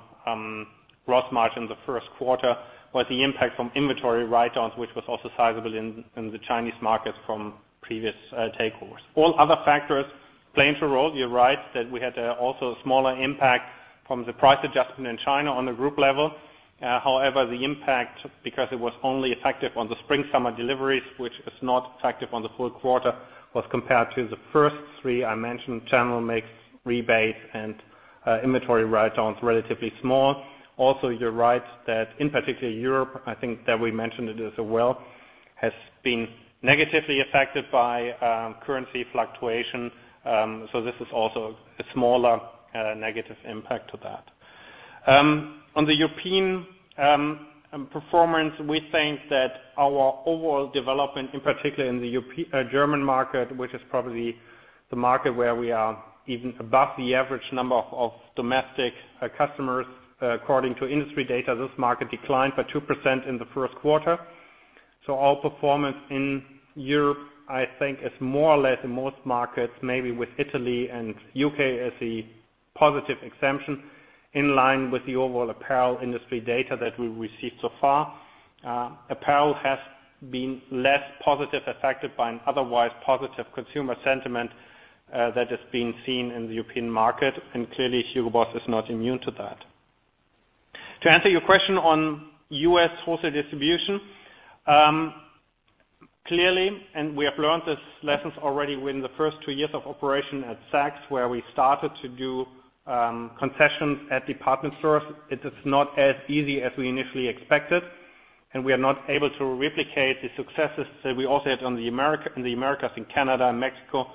gross margin in the first Quarter, was the impact from inventory write-downs, which was also sizable in the Chinese markets from previous takeovers. All other factors playing a role, you're right, that we had also a smaller impact from the price adjustment in China on a group level. However, the impact, because it was only effective on the spring/summer deliveries, which is not effective on the full Quarter, was compared to the first three I mentioned, channel mix, rebates, and inventory write-downs, relatively small. Also, you're right that in particular Europe, I think that we mentioned it as well, has been negatively affected by currency fluctuation. This is also a smaller negative impact to that. On the European performance, we think that our overall development, in particular in the German market, which is probably the market where we are even above the average number of domestic customers. According to industry data, this market declined by 2% in the first Quarter. Our performance in Europe, I think is more or less in most markets, maybe with Italy and U.K. as a positive exemption, in line with the overall apparel industry data that we received so far. Apparel has been less positive affected by an otherwise positive consumer sentiment that has been seen in the European market. Clearly, Hugo Boss is not immune to that. To answer your question on U.S. wholesale distribution. Clearly, we have learned these lessons already within the first two years of operation at Saks, where we started to do concessions at department stores. It is not as easy as we initially expected, and we are not able to replicate the successes that we also had in the Americas and Canada and Mexico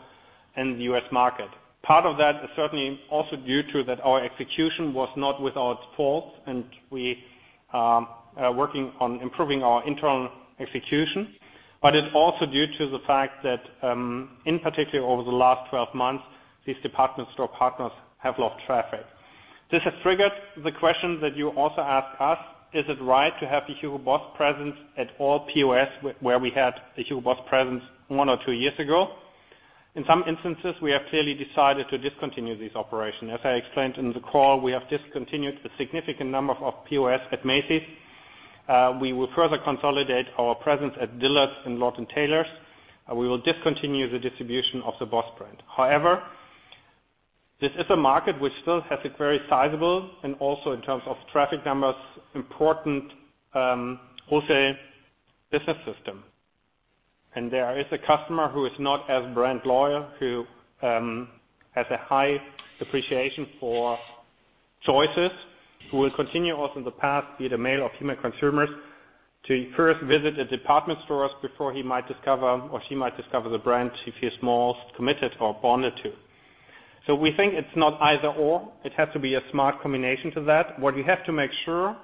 and the U.S. market. Part of that is certainly also due to that our execution was not without fault, and we are working on improving our internal execution. It's also due to the fact that, in particular, over the last 12 months, these department store partners have lost traffic. This has triggered the question that you also ask us, is it right to have the Hugo Boss presence at all POS where we had the Hugo Boss presence one or two years ago? In some instances, we have clearly decided to discontinue this operation. As I explained in the call, we have discontinued a significant number of POS at Macy's. We will further consolidate our presence at Dillard's and Lord & Taylor's. We will discontinue the distribution of the BOSS brand. However, this is a market which still has a very sizable, and also in terms of traffic numbers, important wholesale business system. There is a customer who is not as brand loyal, who has a high appreciation for choices, who will continue also in the past, be it a male or female consumers, to first visit the department stores before he might discover or she might discover the brand she feels most committed or bonded to. We think it is not either/or. It has to be a smart combination to that. What we have to make sure,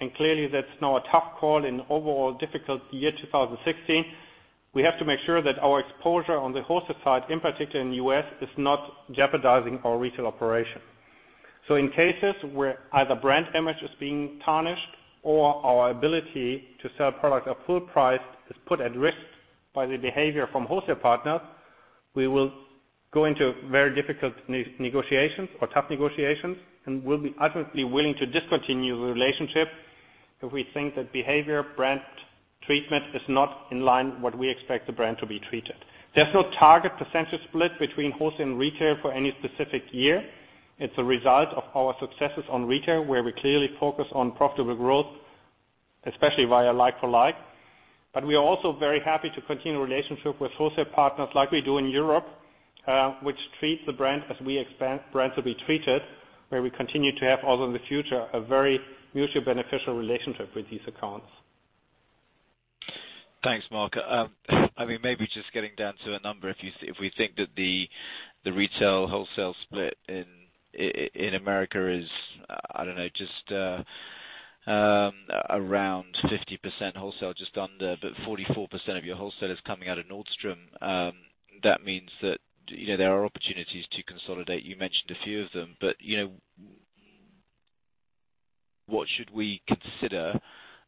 and clearly that is now a tough call in overall difficult year 2016. We have to make sure that our exposure on the wholesale side, in particular in the U.S., is not jeopardizing our retail operation. In cases where either brand image is being tarnished or our ability to sell product at full price is put at risk by the behavior from wholesale partners, we will go into very difficult negotiations or tough negotiations, and we will be utterly willing to discontinue the relationship If we think that behavior brand treatment is not in line what we expect the brand to be treated. There is no target percentage split between wholesale and retail for any specific year. It is a result of our successes on retail, where we clearly focus on profitable growth, especially via like-for-like. We are also very happy to continue relationship with wholesale partners like we do in Europe, which treats the brand as we expect brand to be treated, where we continue to have also in the future, a very mutually beneficial relationship with these accounts. Thanks, Mark. Maybe just getting down to a number. If we think that the retail wholesale split in America is, I do not know, just around 50% wholesale, just under, 44% of your wholesale is coming out of Nordstrom. That means that there are opportunities to consolidate. You mentioned a few of them. What should we consider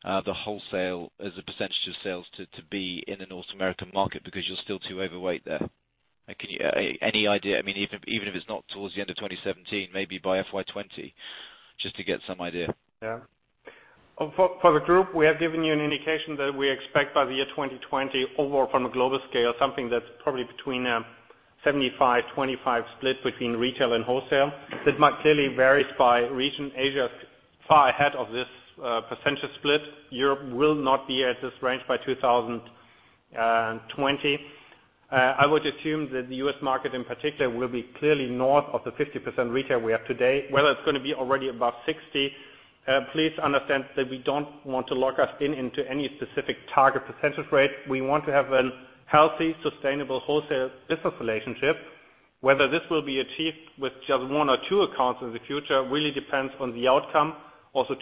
the wholesale as a percentage of sales to be in the North American market? Because you are still too overweight there. Any idea? Even if it is not towards the end of 2017, maybe by FY 2020, just to get some idea. Yeah. For the group, we have given you an indication that we expect by the year 2020 overall from a global scale, something that is probably between 75/25 split between retail and wholesale. That might clearly varies by region. Asia is far ahead of this percentage split. Europe will not be at this range by 2020. I would assume that the U.S. market in particular will be clearly north of the 50% retail we have today, whether it is going to be already above 60%. Please understand that we do not want to lock us in into any specific target percentage rate. We want to have a healthy, sustainable wholesale business relationship. Whether this will be achieved with just one or two accounts in the future really depends on the outcome.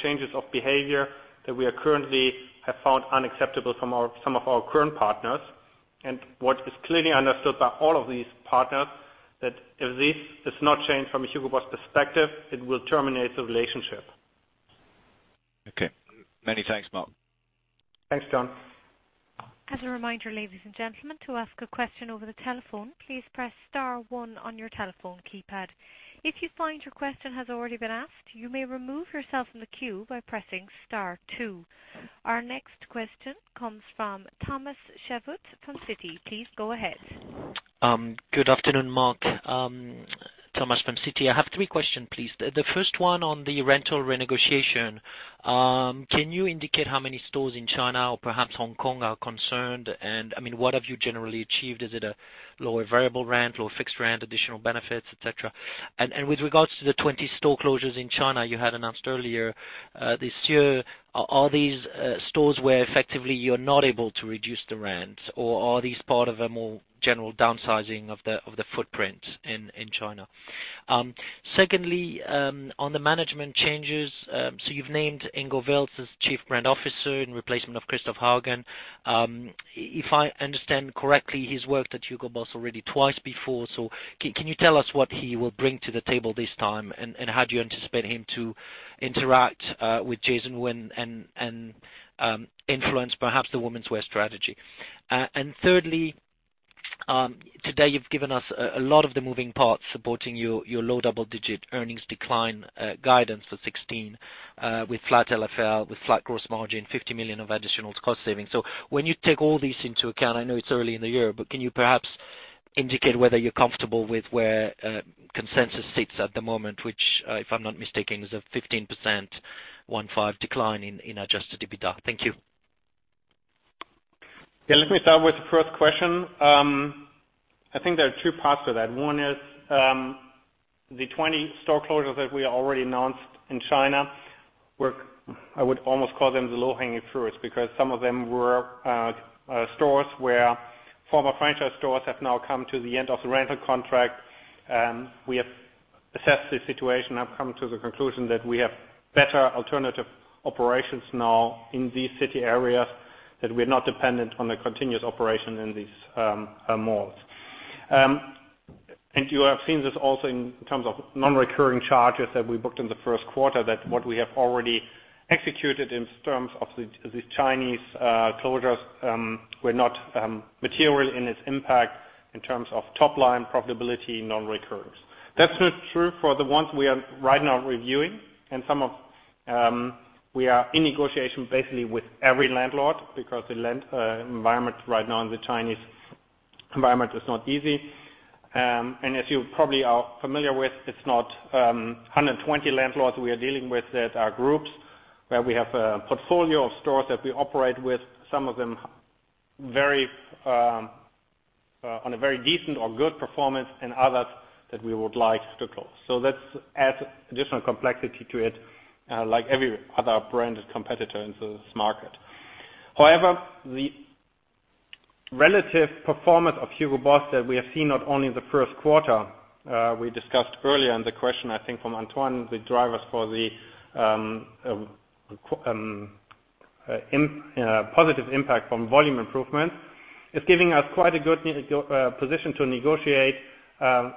Changes of behavior that we currently have found unacceptable from some of our current partners, and what is clearly understood by all of these partners, that if this does not change from a Hugo Boss perspective, it will terminate the relationship. Okay. Many thanks, Mark. Thanks, John. As a reminder, ladies and gentlemen, to ask a question over the telephone, please press star one on your telephone keypad. If you find your question has already been asked, you may remove yourself from the queue by pressing star two. Our next question comes from Thomas Chauvet from Citi. Please go ahead. Good afternoon, Mark. Thomas from Citi. I have three questions, please. The first one on the rental renegotiation. Can you indicate how many stores in China or perhaps Hong Kong are concerned? What have you generally achieved? Is it a lower variable rent, lower fixed rent, additional benefits, et cetera? With regards to the 20 store closures in China you had announced earlier this year, are these stores where effectively you are not able to reduce the rent? Are these part of a more general downsizing of the footprint in China? Secondly, on the management changes. You have named Ingo Wilts as Chief Brand Officer in replacement of Christoph Auhagen. If I understand correctly, he has worked at Hugo Boss already twice before. Can you tell us what he will bring to the table this time? How do you anticipate him to interact with Jason Wu and influence perhaps the womenswear strategy? Thirdly, today you have given us a lot of the moving parts supporting your low double-digit earnings decline guidance for 2016, with flat LFL, with flat gross margin, 50 million of additional cost savings. When you take all these into account, I know it is early in the year, but can you perhaps indicate whether you are comfortable with where consensus sits at the moment? Which, if I am not mistaken, is a 15% decline in adjusted EBITDA. Thank you. Let me start with the first question. I think there are two parts to that. One is the 20 store closures that we already announced in China were, I would almost call them the low-hanging fruits, because some of them were stores where former franchise stores have now come to the end of the rental contract. We have assessed the situation and have come to the conclusion that we have better alternative operations now in these city areas, that we are not dependent on a continuous operation in these malls. You have seen this also in terms of non-recurring charges that we booked in the first quarter, that what we have already executed in terms of the Chinese closures were not material in its impact in terms of top line profitability, non-recurrent. That is not true for the ones we are right now reviewing. We are in negotiation basically with every landlord because the environment right now in the Chinese environment is not easy. As you probably are familiar with, it is not 120 landlords we are dealing with that are groups where we have a portfolio of stores that we operate with, some of them on a very decent or good performance, and others that we would like to close. Let us add additional complexity to it, like every other branded competitor in this market. However, the relative performance of Hugo Boss that we have seen not only in the first quarter, we discussed earlier in the question, I think from Antoine, the drivers for the positive impact from volume improvement is giving us quite a good position to negotiate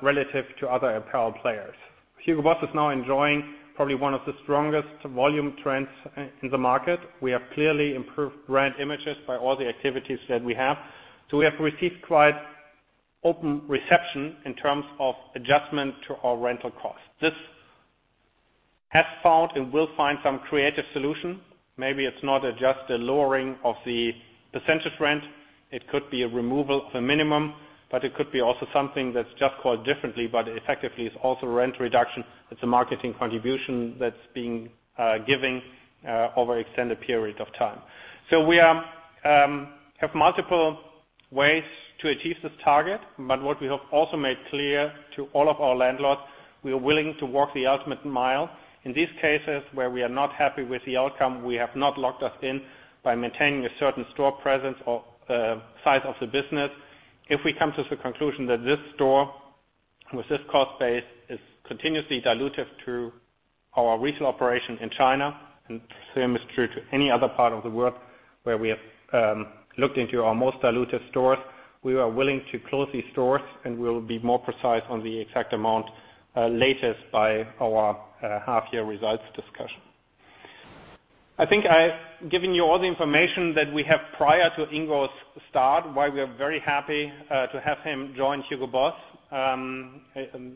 relative to other apparel players. Hugo Boss is now enjoying probably one of the strongest volume trends in the market. We have clearly improved brand images by all the activities that we have. We have received quite open reception in terms of adjustment to our rental cost. This has found and will find some creative solution. It's not just a lowering of the percentage rent. It could be a removal of a minimum, but it could be also something that's just called differently, but effectively is also rent reduction. It's a marketing contribution that's being given over extended period of time. We have multiple ways to achieve this target, what we have also made clear to all of our landlords, we are willing to work the ultimate mile. In these cases where we are not happy with the outcome, we have not locked us in by maintaining a certain store presence or size of the business. If we come to the conclusion that this store with this cost base is continuously dilutive to our retail operation in China, same is true to any other part of the world where we have looked into our most dilutive stores, we are willing to close these stores, we'll be more precise on the exact amount, latest by our half-year results discussion. I think I've given you all the information that we have prior to Ingo's start, why we are very happy to have him join Hugo Boss.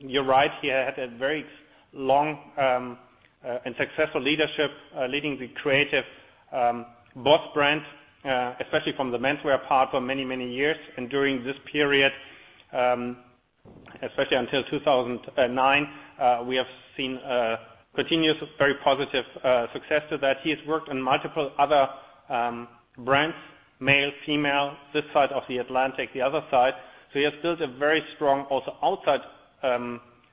You're right, he had a very long and successful leadership leading the creative BOSS brand, especially from the menswear part for many, many years. During this period, especially until 2009, we have seen a continuous, very positive success to that. He has worked on multiple other brands, male, female, this side of the Atlantic, the other side. He has built a very strong also outside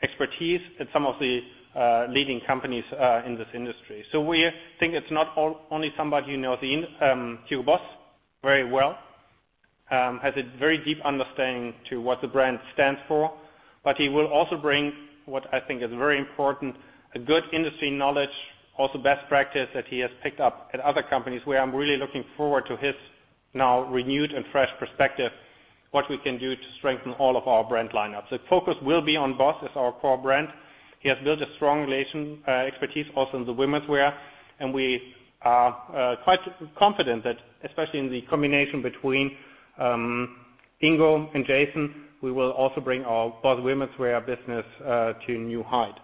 expertise at some of the leading companies in this industry. We think it's not only somebody who knows Hugo Boss very well, has a very deep understanding to what the brand stands for. He will also bring what I think is very important, a good industry knowledge, also best practice that he has picked up at other companies, where I'm really looking forward to his now renewed and fresh perspective, what we can do to strengthen all of our brand lineup. The focus will be on BOSS as our core brand. He has built a strong relation, expertise also in the womenswear. We are quite confident that especially in the combination between Ingo and Jason, we will also bring our BOSS womenswear business to new height.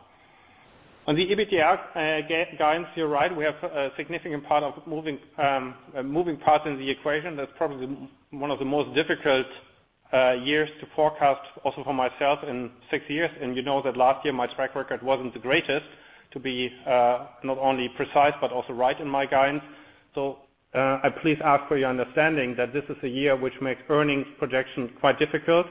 On the EBITDA guidance, you're right, we have a significant part of moving parts in the equation. That's probably one of the most difficult years to forecast, also for myself in six years. You know that last year my track record wasn't the greatest to be not only precise but also right in my guidance. I please ask for your understanding that this is a year which makes earnings projections quite difficult,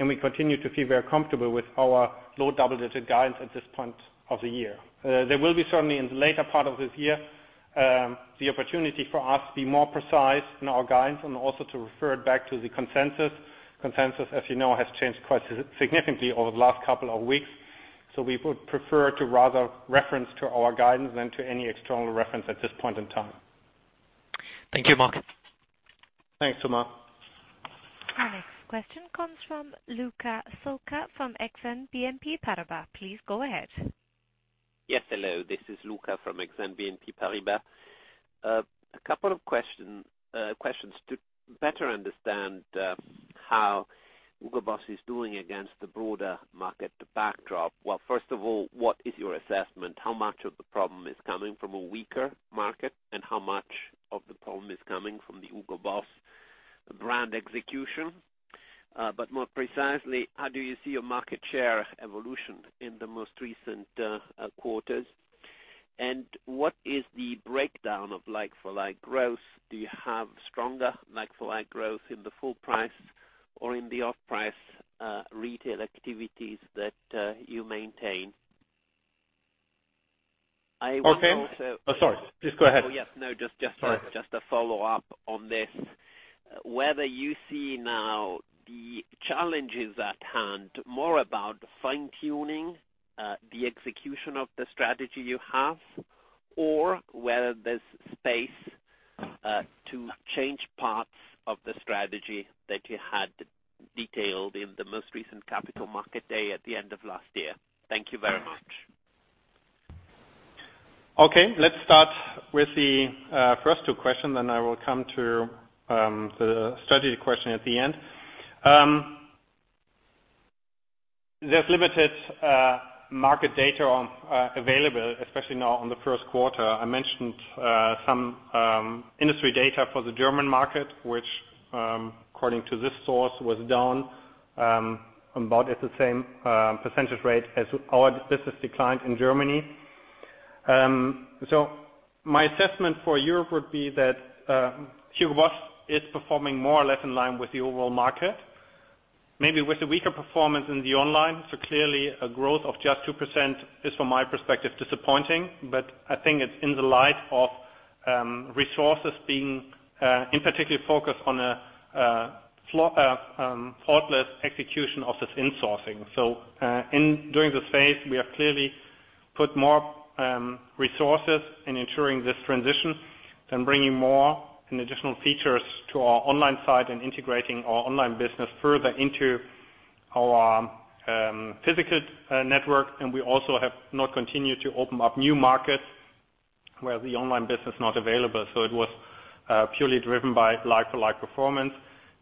we continue to feel very comfortable with our low double-digit guidance at this point of the year. There will be certainly in the later part of this year the opportunity for us to be more precise in our guidance and also to refer it back to the consensus. Consensus, as you know, has changed quite significantly over the last couple of weeks. We would prefer to rather reference to our guidance than to any external reference at this point in time. Thank you, Mark. Thanks, Thomas. Our next question comes from Luca Solca from Exane BNP Paribas. Please go ahead. Yes. Hello, this is Luca from Exane BNP Paribas. A couple of questions to better understand how Hugo Boss is doing against the broader market backdrop. Well, first of all, what is your assessment? How much of the problem is coming from a weaker market, and how much of the problem is coming from the Hugo Boss brand execution? More precisely, how do you see a market share evolution in the most recent quarters? What is the breakdown of like-for-like growth? Do you have stronger like-for-like growth in the full price or in the off-price retail activities that you maintain? I would also- Okay. Oh, sorry. Please go ahead. Oh, yes. No, just a follow-up on this. Whether you see now the challenges at hand more about fine-tuning the execution of the strategy you have or whether there's space to change parts of the strategy that you had detailed in the most recent Capital Market Day at the end of last year. Thank you very much. Okay, let's start with the first two questions. I will come to the strategy question at the end. There's limited market data available, especially now on the first quarter. I mentioned some industry data for the German market, which, according to this source, was down about at the same percentage rate as our business declined in Germany. My assessment for Europe would be that Hugo Boss is performing more or less in line with the overall market. Maybe with a weaker performance in the online, clearly a growth of just 2% is, from my perspective, disappointing. I think it's in the light of resources being in particular focused on a faultless execution of this insourcing. During the phase, we have clearly put more resources in ensuring this transition than bringing more and additional features to our online side and integrating our online business further into our physical network. We also have not continued to open up new markets where the online business is not available. It was purely driven by like-for-like performance.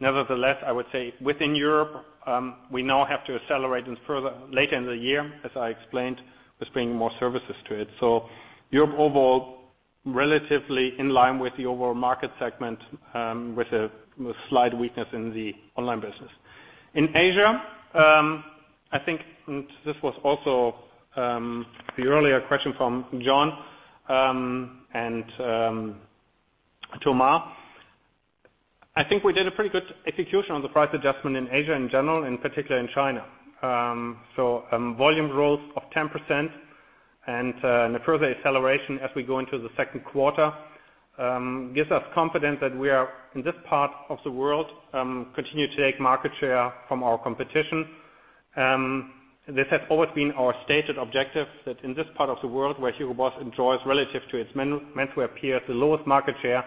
Nevertheless, I would say within Europe, we now have to accelerate this further later in the year, as I explained, with bringing more services to it. Europe overall, relatively in line with the overall market segment, with a slight weakness in the online business. In Asia, I think this was also the earlier question from John and Thomas. I think we did a pretty good execution on the price adjustment in Asia in general, and particularly in China. Volume growth of 10% and a further acceleration as we go into the second quarter, gives us confidence that we are, in this part of the world, continue to take market share from our competition. This has always been our stated objective that in this part of the world where Hugo Boss enjoys relative to its menswear peers, the lowest market share,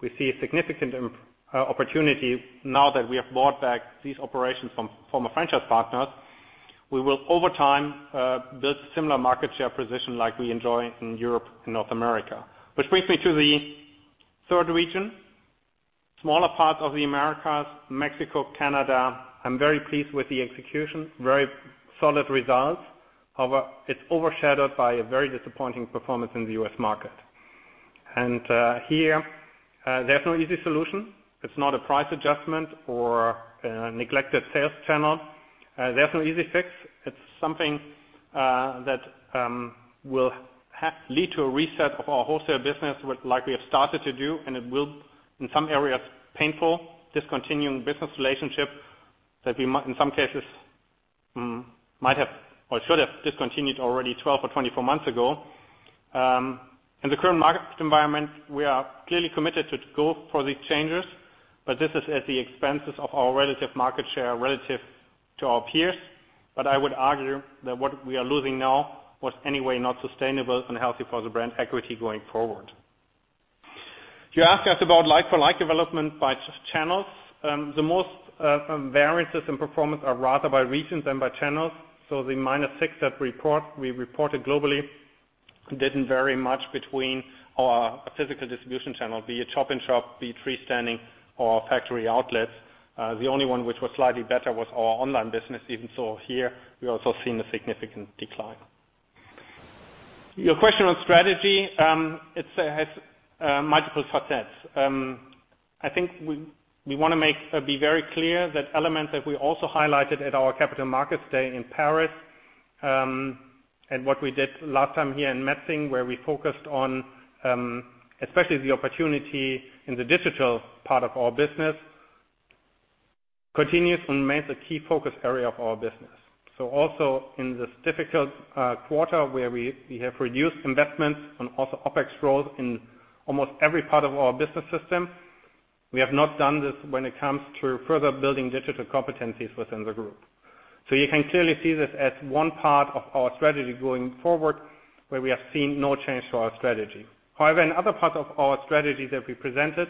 we see a significant opportunity now that we have bought back these operations from former franchise partners. We will, over time, build similar market share position like we enjoy in Europe and North America. Which brings me to the third region, smaller part of the Americas, Mexico, Canada. I'm very pleased with the execution, very solid results. However, it's overshadowed by a very disappointing performance in the U.S. market. Here, there's no easy solution. It's not a price adjustment or a neglected sales channel. There's no easy fix. It's something that will lead to a reset of our wholesale business, like we have started to do, and it will, in some areas, painful discontinuing business relationship that we, in some cases, might have or should have discontinued already 12 or 24 months ago. In the current market environment, we are clearly committed to go for these changes, this is at the expense of our relative market share relative to our peers. I would argue that what we are losing now was anyway not sustainable and healthy for the brand equity going forward. You asked us about like-for-like development by channels. The most variances in performance are rather by regions than by channels. The minus six that we reported globally didn't vary much between our physical distribution channel, be it shop-in-shop, be it freestanding or factory outlets. The only one which was slightly better was our online business. Even so here, we also seen a significant decline. Your question on strategy, it has multiple facets. I think we want to be very clear that elements that we also highlighted at our capital markets day in Paris, and what we did last time here in Metzingen, where we focused on, especially the opportunity in the digital part of our business, continues and remains a key focus area of our business. Also in this difficult quarter where we have reduced investments and also OpEx growth in almost every part of our business system, we have not done this when it comes to further building digital competencies within the group. You can clearly see this as one part of our strategy going forward, where we have seen no change to our strategy. In other parts of our strategy that we presented,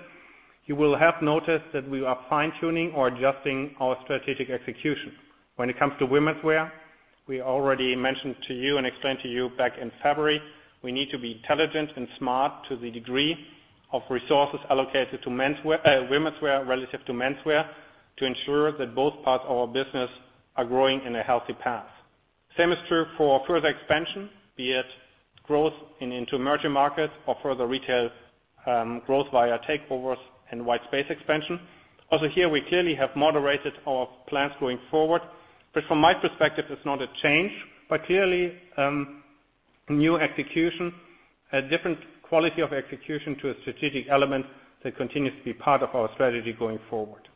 you will have noticed that we are fine-tuning or adjusting our strategic execution. When it comes to womenswear, we already mentioned to you and explained to you back in February, we need to be intelligent and smart to the degree of resources allocated to womenswear relative to menswear to ensure that both parts of our business are growing in a healthy path. Same is true for further expansion, be it growth into emerging markets or further retail growth via takeovers and white space expansion. Also here, we clearly have moderated our plans going forward. From my perspective, it's not a change, but clearly new execution, a different quality of execution to a strategic element that continues to be part of our strategy going forward.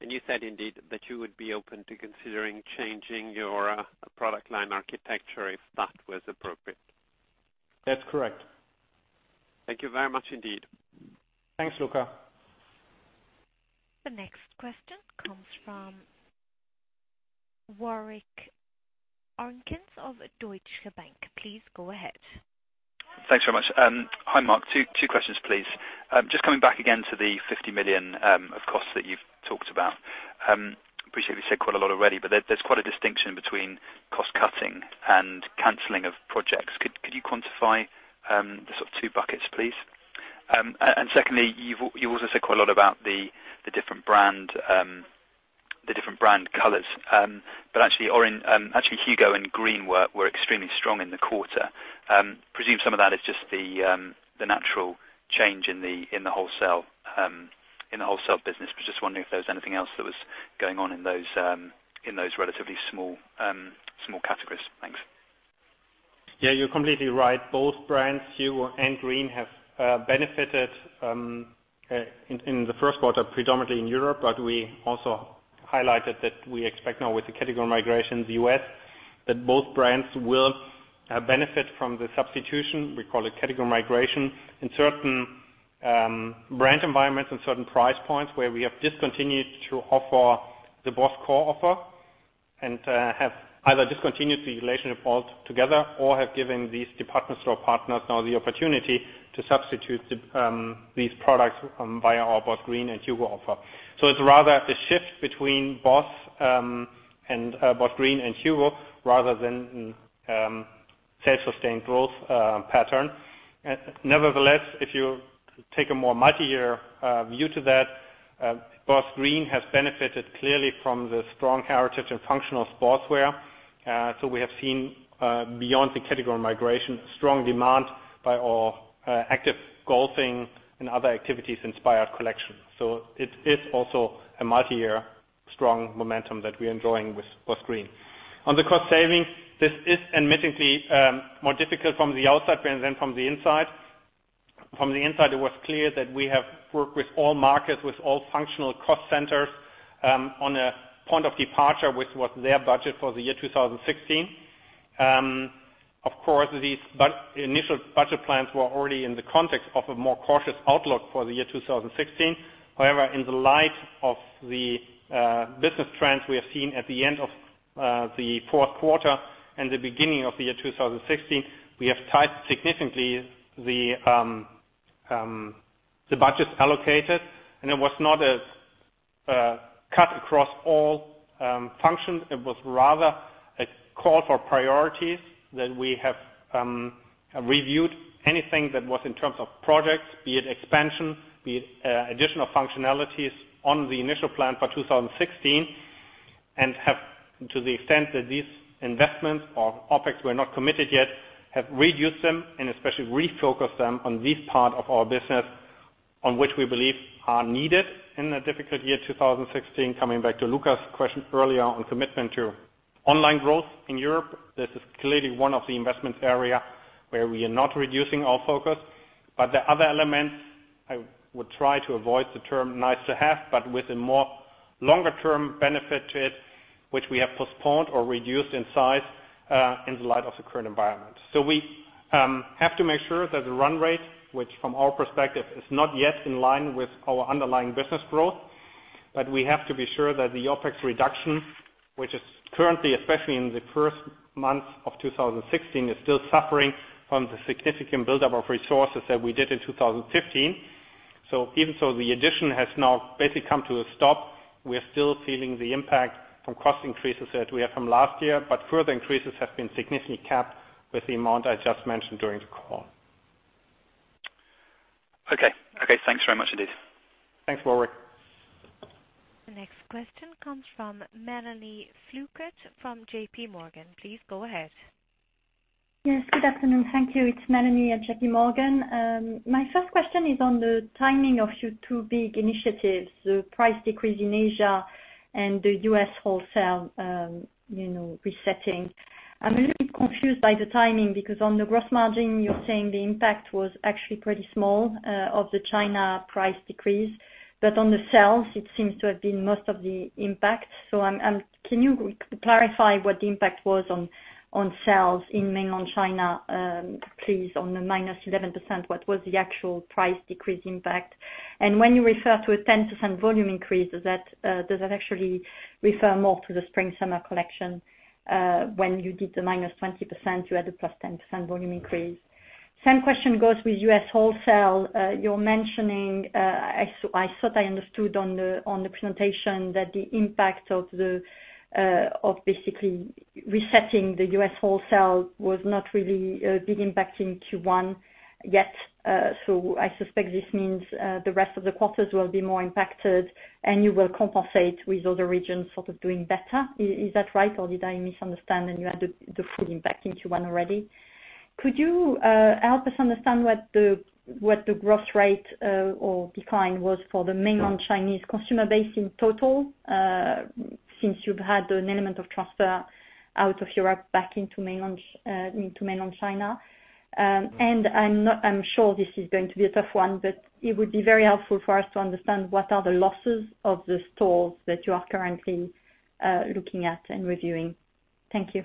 You said indeed that you would be open to considering changing your product line architecture if that was appropriate? That's correct. Thank you very much indeed. Thanks, Luca. The next question comes from Warwick Okines of Deutsche Bank. Please go ahead. Thanks very much. Hi, Mark. Two questions, please. Just coming back again to the 50 million of costs that you've talked about. Appreciate you said quite a lot already, but there's quite a distinction between cost-cutting and canceling of projects. Could you quantify the sort of two buckets, please? Secondly, you also said quite a lot about the different brand colors. Actually, HUGO and Green were extremely strong in the quarter. Presume some of that is just the natural change in the wholesale business. Just wondering if there was anything else that was going on in those relatively small categories. Thanks. Yeah, you're completely right. Both brands, HUGO and Green, have benefited in the first quarter, predominantly in Europe. We also highlighted that we expect now with the category migration in the U.S., that both brands will benefit from the substitution, we call it category migration, in certain brand environments and certain price points where we have discontinued to offer the BOSS core offer and have either discontinued the relationship altogether or have given these department store partners now the opportunity to substitute these products via our BOSS Green and HUGO offer. It's rather a shift between BOSS Green and HUGO rather than self-sustained growth pattern. Nevertheless, if you take a more multi-year view to that, BOSS Green has benefited clearly from the strong heritage and functional sportswear. We have seen, beyond the category migration, strong demand by our active golfing and other activities-inspired collection. It is also a multi-year strong momentum that we are enjoying with BOSS Green. On the cost savings, this is admittedly more difficult from the outside than from the inside. From the inside, it was clear that we have worked with all markets, with all functional cost centers, on a point of departure with what their budget for the year 2016. Of course, these initial budget plans were already in the context of a more cautious outlook for the year 2016. However, in the light of the business trends we have seen at the end of the fourth quarter and the beginning of the year 2016, we have tightened significantly the budget allocated, and it was not a cut across all functions. It was rather a call for priorities that we have reviewed anything that was in terms of projects, be it expansion, be it additional functionalities on the initial plan for 2016, and have, to the extent that these investments or OpEx were not committed yet, have reduced them and especially refocused them on this part of our business on which we believe are needed in a difficult year 2016. Coming back to Luca's question earlier on commitment to online growth in Europe. This is clearly one of the investment areas where we are not reducing our focus, but there are other elements, I would try to avoid the term "nice to have," but with a longer-term benefit to it, which we have postponed or reduced in size in light of the current environment. We have to make sure that the run rate, which from our perspective is not yet in line with our underlying business growth, but we have to be sure that the OpEx reduction, which is currently, especially in the first months of 2016, is still suffering from the significant buildup of resources that we did in 2015. Even so the addition has now basically come to a stop, we are still feeling the impact from cost increases that we have from last year, but further increases have been significantly capped with the amount I just mentioned during the call. Okay. Thanks very much indeed. Thanks, Warwick. The next question comes from Mélanie Flouquet from JP Morgan. Please go ahead. Yes, good afternoon. Thank you. It's Mélanie at JP Morgan. My first question is on the timing of your two big initiatives, the price decrease in Asia and the U.S. wholesale resetting. I'm a little bit confused by the timing, because on the gross margin, you're saying the impact was actually pretty small of the China price decrease. On the sales, it seems to have been most of the impact. Can you clarify what the impact was on sales in mainland China, please, on the -11%? What was the actual price decrease impact? When you refer to a 10% volume increase, does that actually refer more to the spring/summer collection? When you did the -20%, you had a +10% volume increase. Same question goes with U.S. wholesale. You're mentioning, I thought I understood on the presentation that the impact of basically resetting the U.S. wholesale was not really a big impact in Q1 yet. I suspect this means the rest of the quarters will be more impacted and you will compensate with other regions sort of doing better. Is that right, or did I misunderstand and you had the full impact in Q1 already? Could you help us understand what the growth rate or decline was for the mainland Chinese consumer base in total, since you've had an element of transfer out of Europe back into mainland China? I'm sure this is going to be a tough one, but it would be very helpful for us to understand what are the losses of the stores that you are currently looking at and reviewing. Thank you.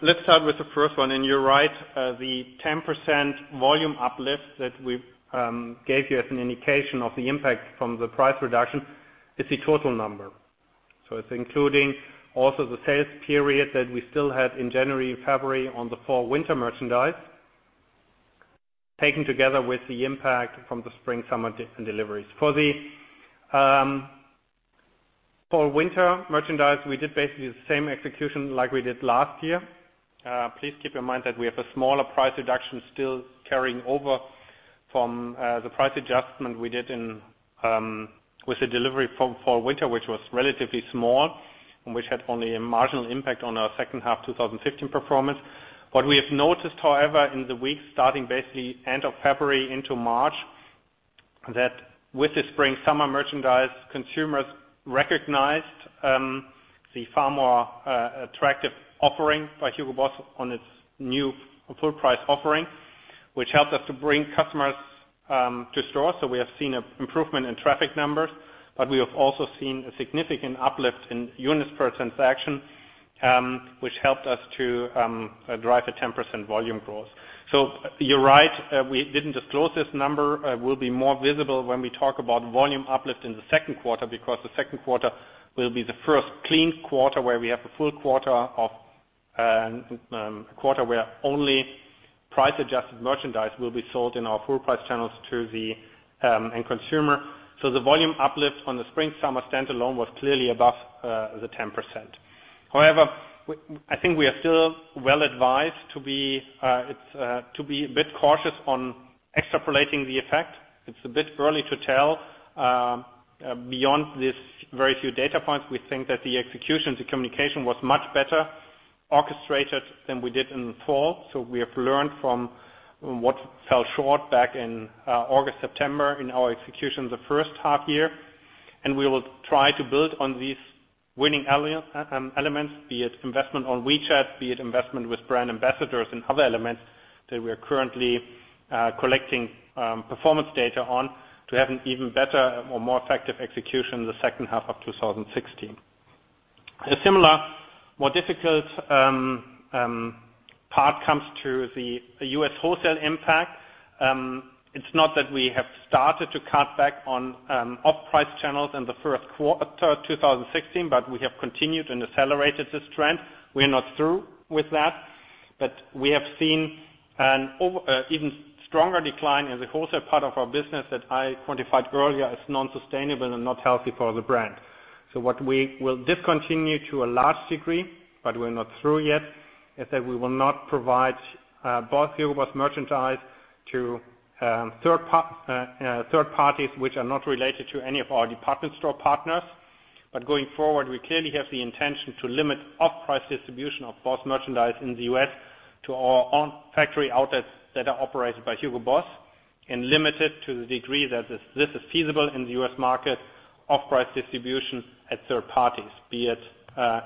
Let's start with the first one. You're right. The 10% volume uplift that we gave you as an indication of the impact from the price reduction is the total number. It's including also the sales period that we still had in January, February on the fall/winter merchandise, taken together with the impact from the spring/summer deliveries. For winter merchandise, we did basically the same execution like we did last year. Please keep in mind that we have a smaller price reduction still carrying over from the price adjustment we did with the delivery for winter, which was relatively small and which had only a marginal impact on our second half 2015 performance. What we have noticed, however, in the weeks starting basically end of February into March, that with the spring/summer merchandise, consumers recognized the far more attractive offering by Hugo Boss on its new full price offering, which helped us to bring customers to store. We have seen an improvement in traffic numbers, but we have also seen a significant uplift in units per transaction, which helped us to drive a 10% volume growth. You're right. We didn't disclose this number. It will be more visible when we talk about volume uplift in the second quarter, because the second quarter will be the first clean quarter where we have a full quarter where only price-adjusted merchandise will be sold in our full-price channels to the end consumer. The volume uplift on the spring-summer standalone was clearly above the 10%. I think we are still well-advised to be a bit cautious on extrapolating the effect. It's a bit early to tell. Beyond these very few data points, we think that the execution, the communication was much better orchestrated than we did in the fall. We have learned from what fell short back in August, September in our execution the first half year, and we will try to build on these winning elements, be it investment on WeChat, be it investment with brand ambassadors and other elements that we are currently collecting performance data on to have an even better or more effective execution in the second half of 2016. A similar, more difficult part comes to the U.S. wholesale impact. It's not that we have started to cut back on off-price channels in the first quarter of 2016, but we have continued and accelerated this trend. We are not through with that, but we have seen an even stronger decline in the wholesale part of our business that I quantified earlier as non-sustainable and not healthy for the brand. What we will discontinue to a large degree, but we're not through yet, is that we will not provide BOSS Hugo Boss merchandise to third parties which are not related to any of our department store partners. Going forward, we clearly have the intention to limit off-price distribution of BOSS merchandise in the U.S. to our own factory outlets that are operated by Hugo Boss and limit it to the degree that this is feasible in the U.S. market off-price distribution at third parties, be it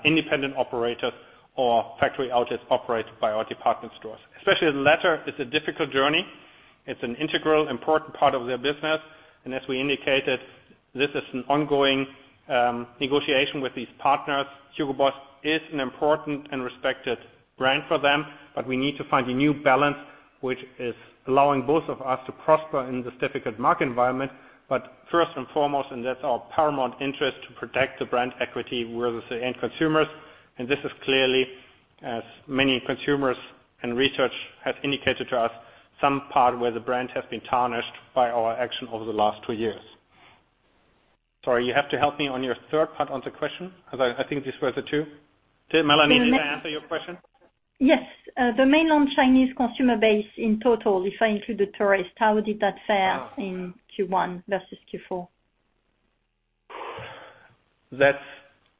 independent operators or factory outlets operated by our department stores. Especially the latter is a difficult journey. It's an integral, important part of their business, and as we indicated, this is an ongoing negotiation with these partners. Hugo Boss is an important and respected brand for them, we need to find a new balance which is allowing both of us to prosper in this difficult market environment. First and foremost, and that's our paramount interest, to protect the brand equity with the end consumers, and this is clearly, as many consumers and research have indicated to us, some part where the brand has been tarnished by our action over the last two years. Sorry, you have to help me on your third part on the question, as I think these were the two. Did Mélanie answer your question? Yes. The mainland Chinese consumer base in total, if I include the tourist, how did that fare in Q1 versus Q4? That's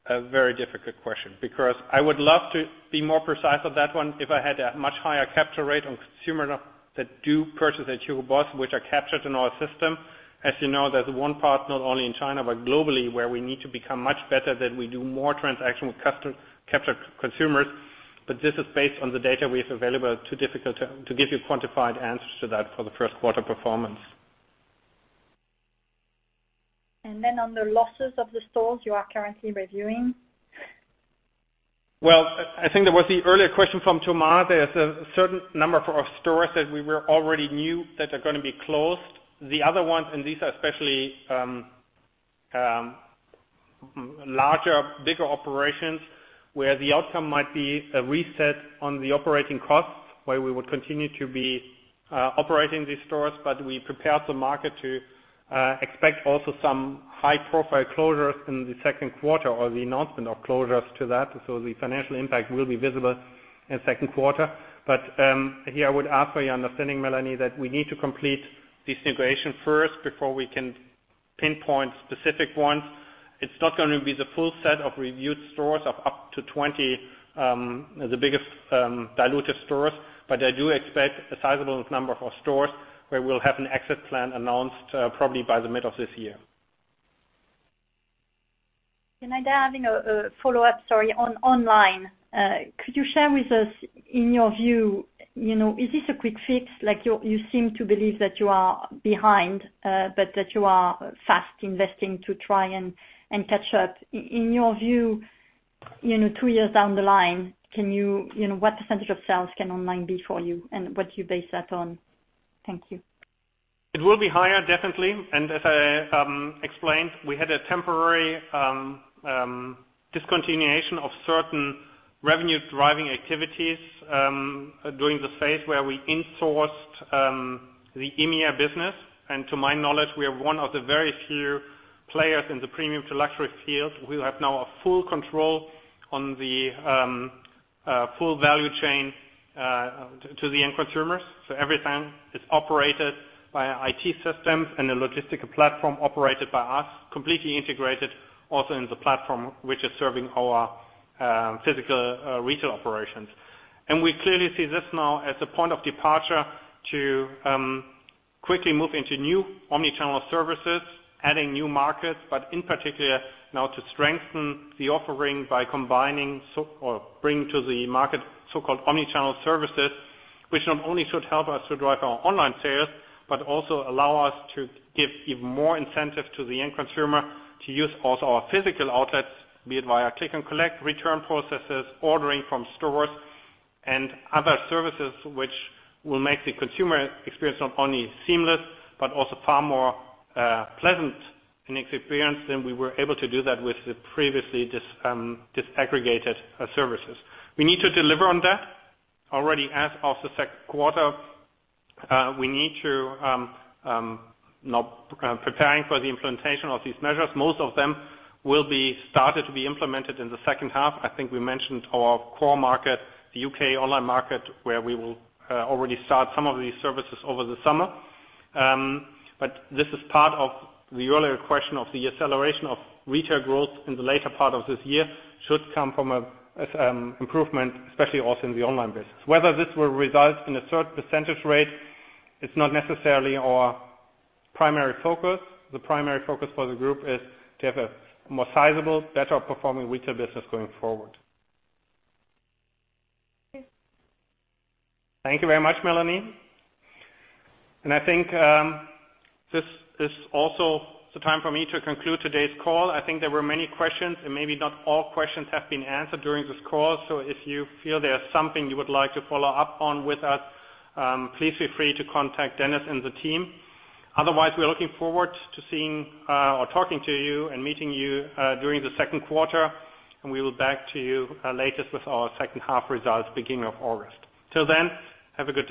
a very difficult question because I would love to be more precise on that one if I had a much higher capture rate on consumers that do purchase at Hugo Boss, which are captured in our system. As you know, there's one part, not only in China, but globally, where we need to become much better, that we do more transaction with captured consumers. This is based on the data we have available. Too difficult to give you quantified answers to that for the first quarter performance. On the losses of the stores you are currently reviewing. Well, I think there was the earlier question from Thomas. There's a certain number of stores that we were already knew that are going to be closed. The other ones, and these are especially larger, bigger operations where the outcome might be a reset on the operating costs, where we would continue to be operating these stores. We prepared the market to expect also some high-profile closures in the second quarter or the announcement of closures to that. The financial impact will be visible in second quarter. Here I would ask for your understanding, Mélanie, that we need to complete this integration first before we can pinpoint specific ones. It's not going to be the full set of reviewed stores of up to 20 the biggest dilutive stores. I do expect a sizable number of stores where we'll have an exit plan announced probably by the middle of this year. Can I add in a follow-up, sorry, on online. Could you share with us, in your view, is this a quick fix? You seem to believe that you are behind, but that you are fast investing to try and catch up. In your view, two years down the line, what % of sales can online be for you, and what do you base that on? Thank you. It will be higher, definitely. As I explained, we had a temporary discontinuation of certain revenue-driving activities during the phase where we insourced the EMEA business. To my knowledge, we are one of the very few players in the premium to luxury field who have now a full control on the full value chain to the end consumers. Everything is operated by our IT systems and the logistical platform operated by us, completely integrated also in the platform which is serving our physical retail operations. We clearly see this now as a point of departure to quickly move into new omni-channel services, adding new markets, but in particular now to strengthen the offering by combining or bringing to the market so-called omni-channel services, which not only should help us to drive our online sales, but also allow us to give even more incentive to the end consumer to use also our physical outlets, be it via click and collect, return processes, ordering from stores and other services which will make the consumer experience not only seamless but also far more pleasant an experience than we were able to do that with the previously disaggregated services. We need to deliver on that already as of the second quarter. We need to now preparing for the implementation of these measures. Most of them will be started to be implemented in the second half. I think we mentioned our core market, the U.K. online market, where we will already start some of these services over the summer. This is part of the earlier question of the acceleration of retail growth in the later part of this year should come from an improvement, especially also in the online business. Whether this will result in a certain percentage rate, it is not necessarily our primary focus. The primary focus for the group is to have a more sizable, better performing retail business going forward. Thank you. Thank you very much, Mélanie. I think this is also the time for me to conclude today's call. I think there were many questions, maybe not all questions have been answered during this call. If you feel there is something you would like to follow up on with us, please feel free to contact Dennis and the team. Otherwise, we are looking forward to seeing or talking to you and meeting you during the second quarter, we will get back to you latest with our second half results beginning of August. Till then, have a good day.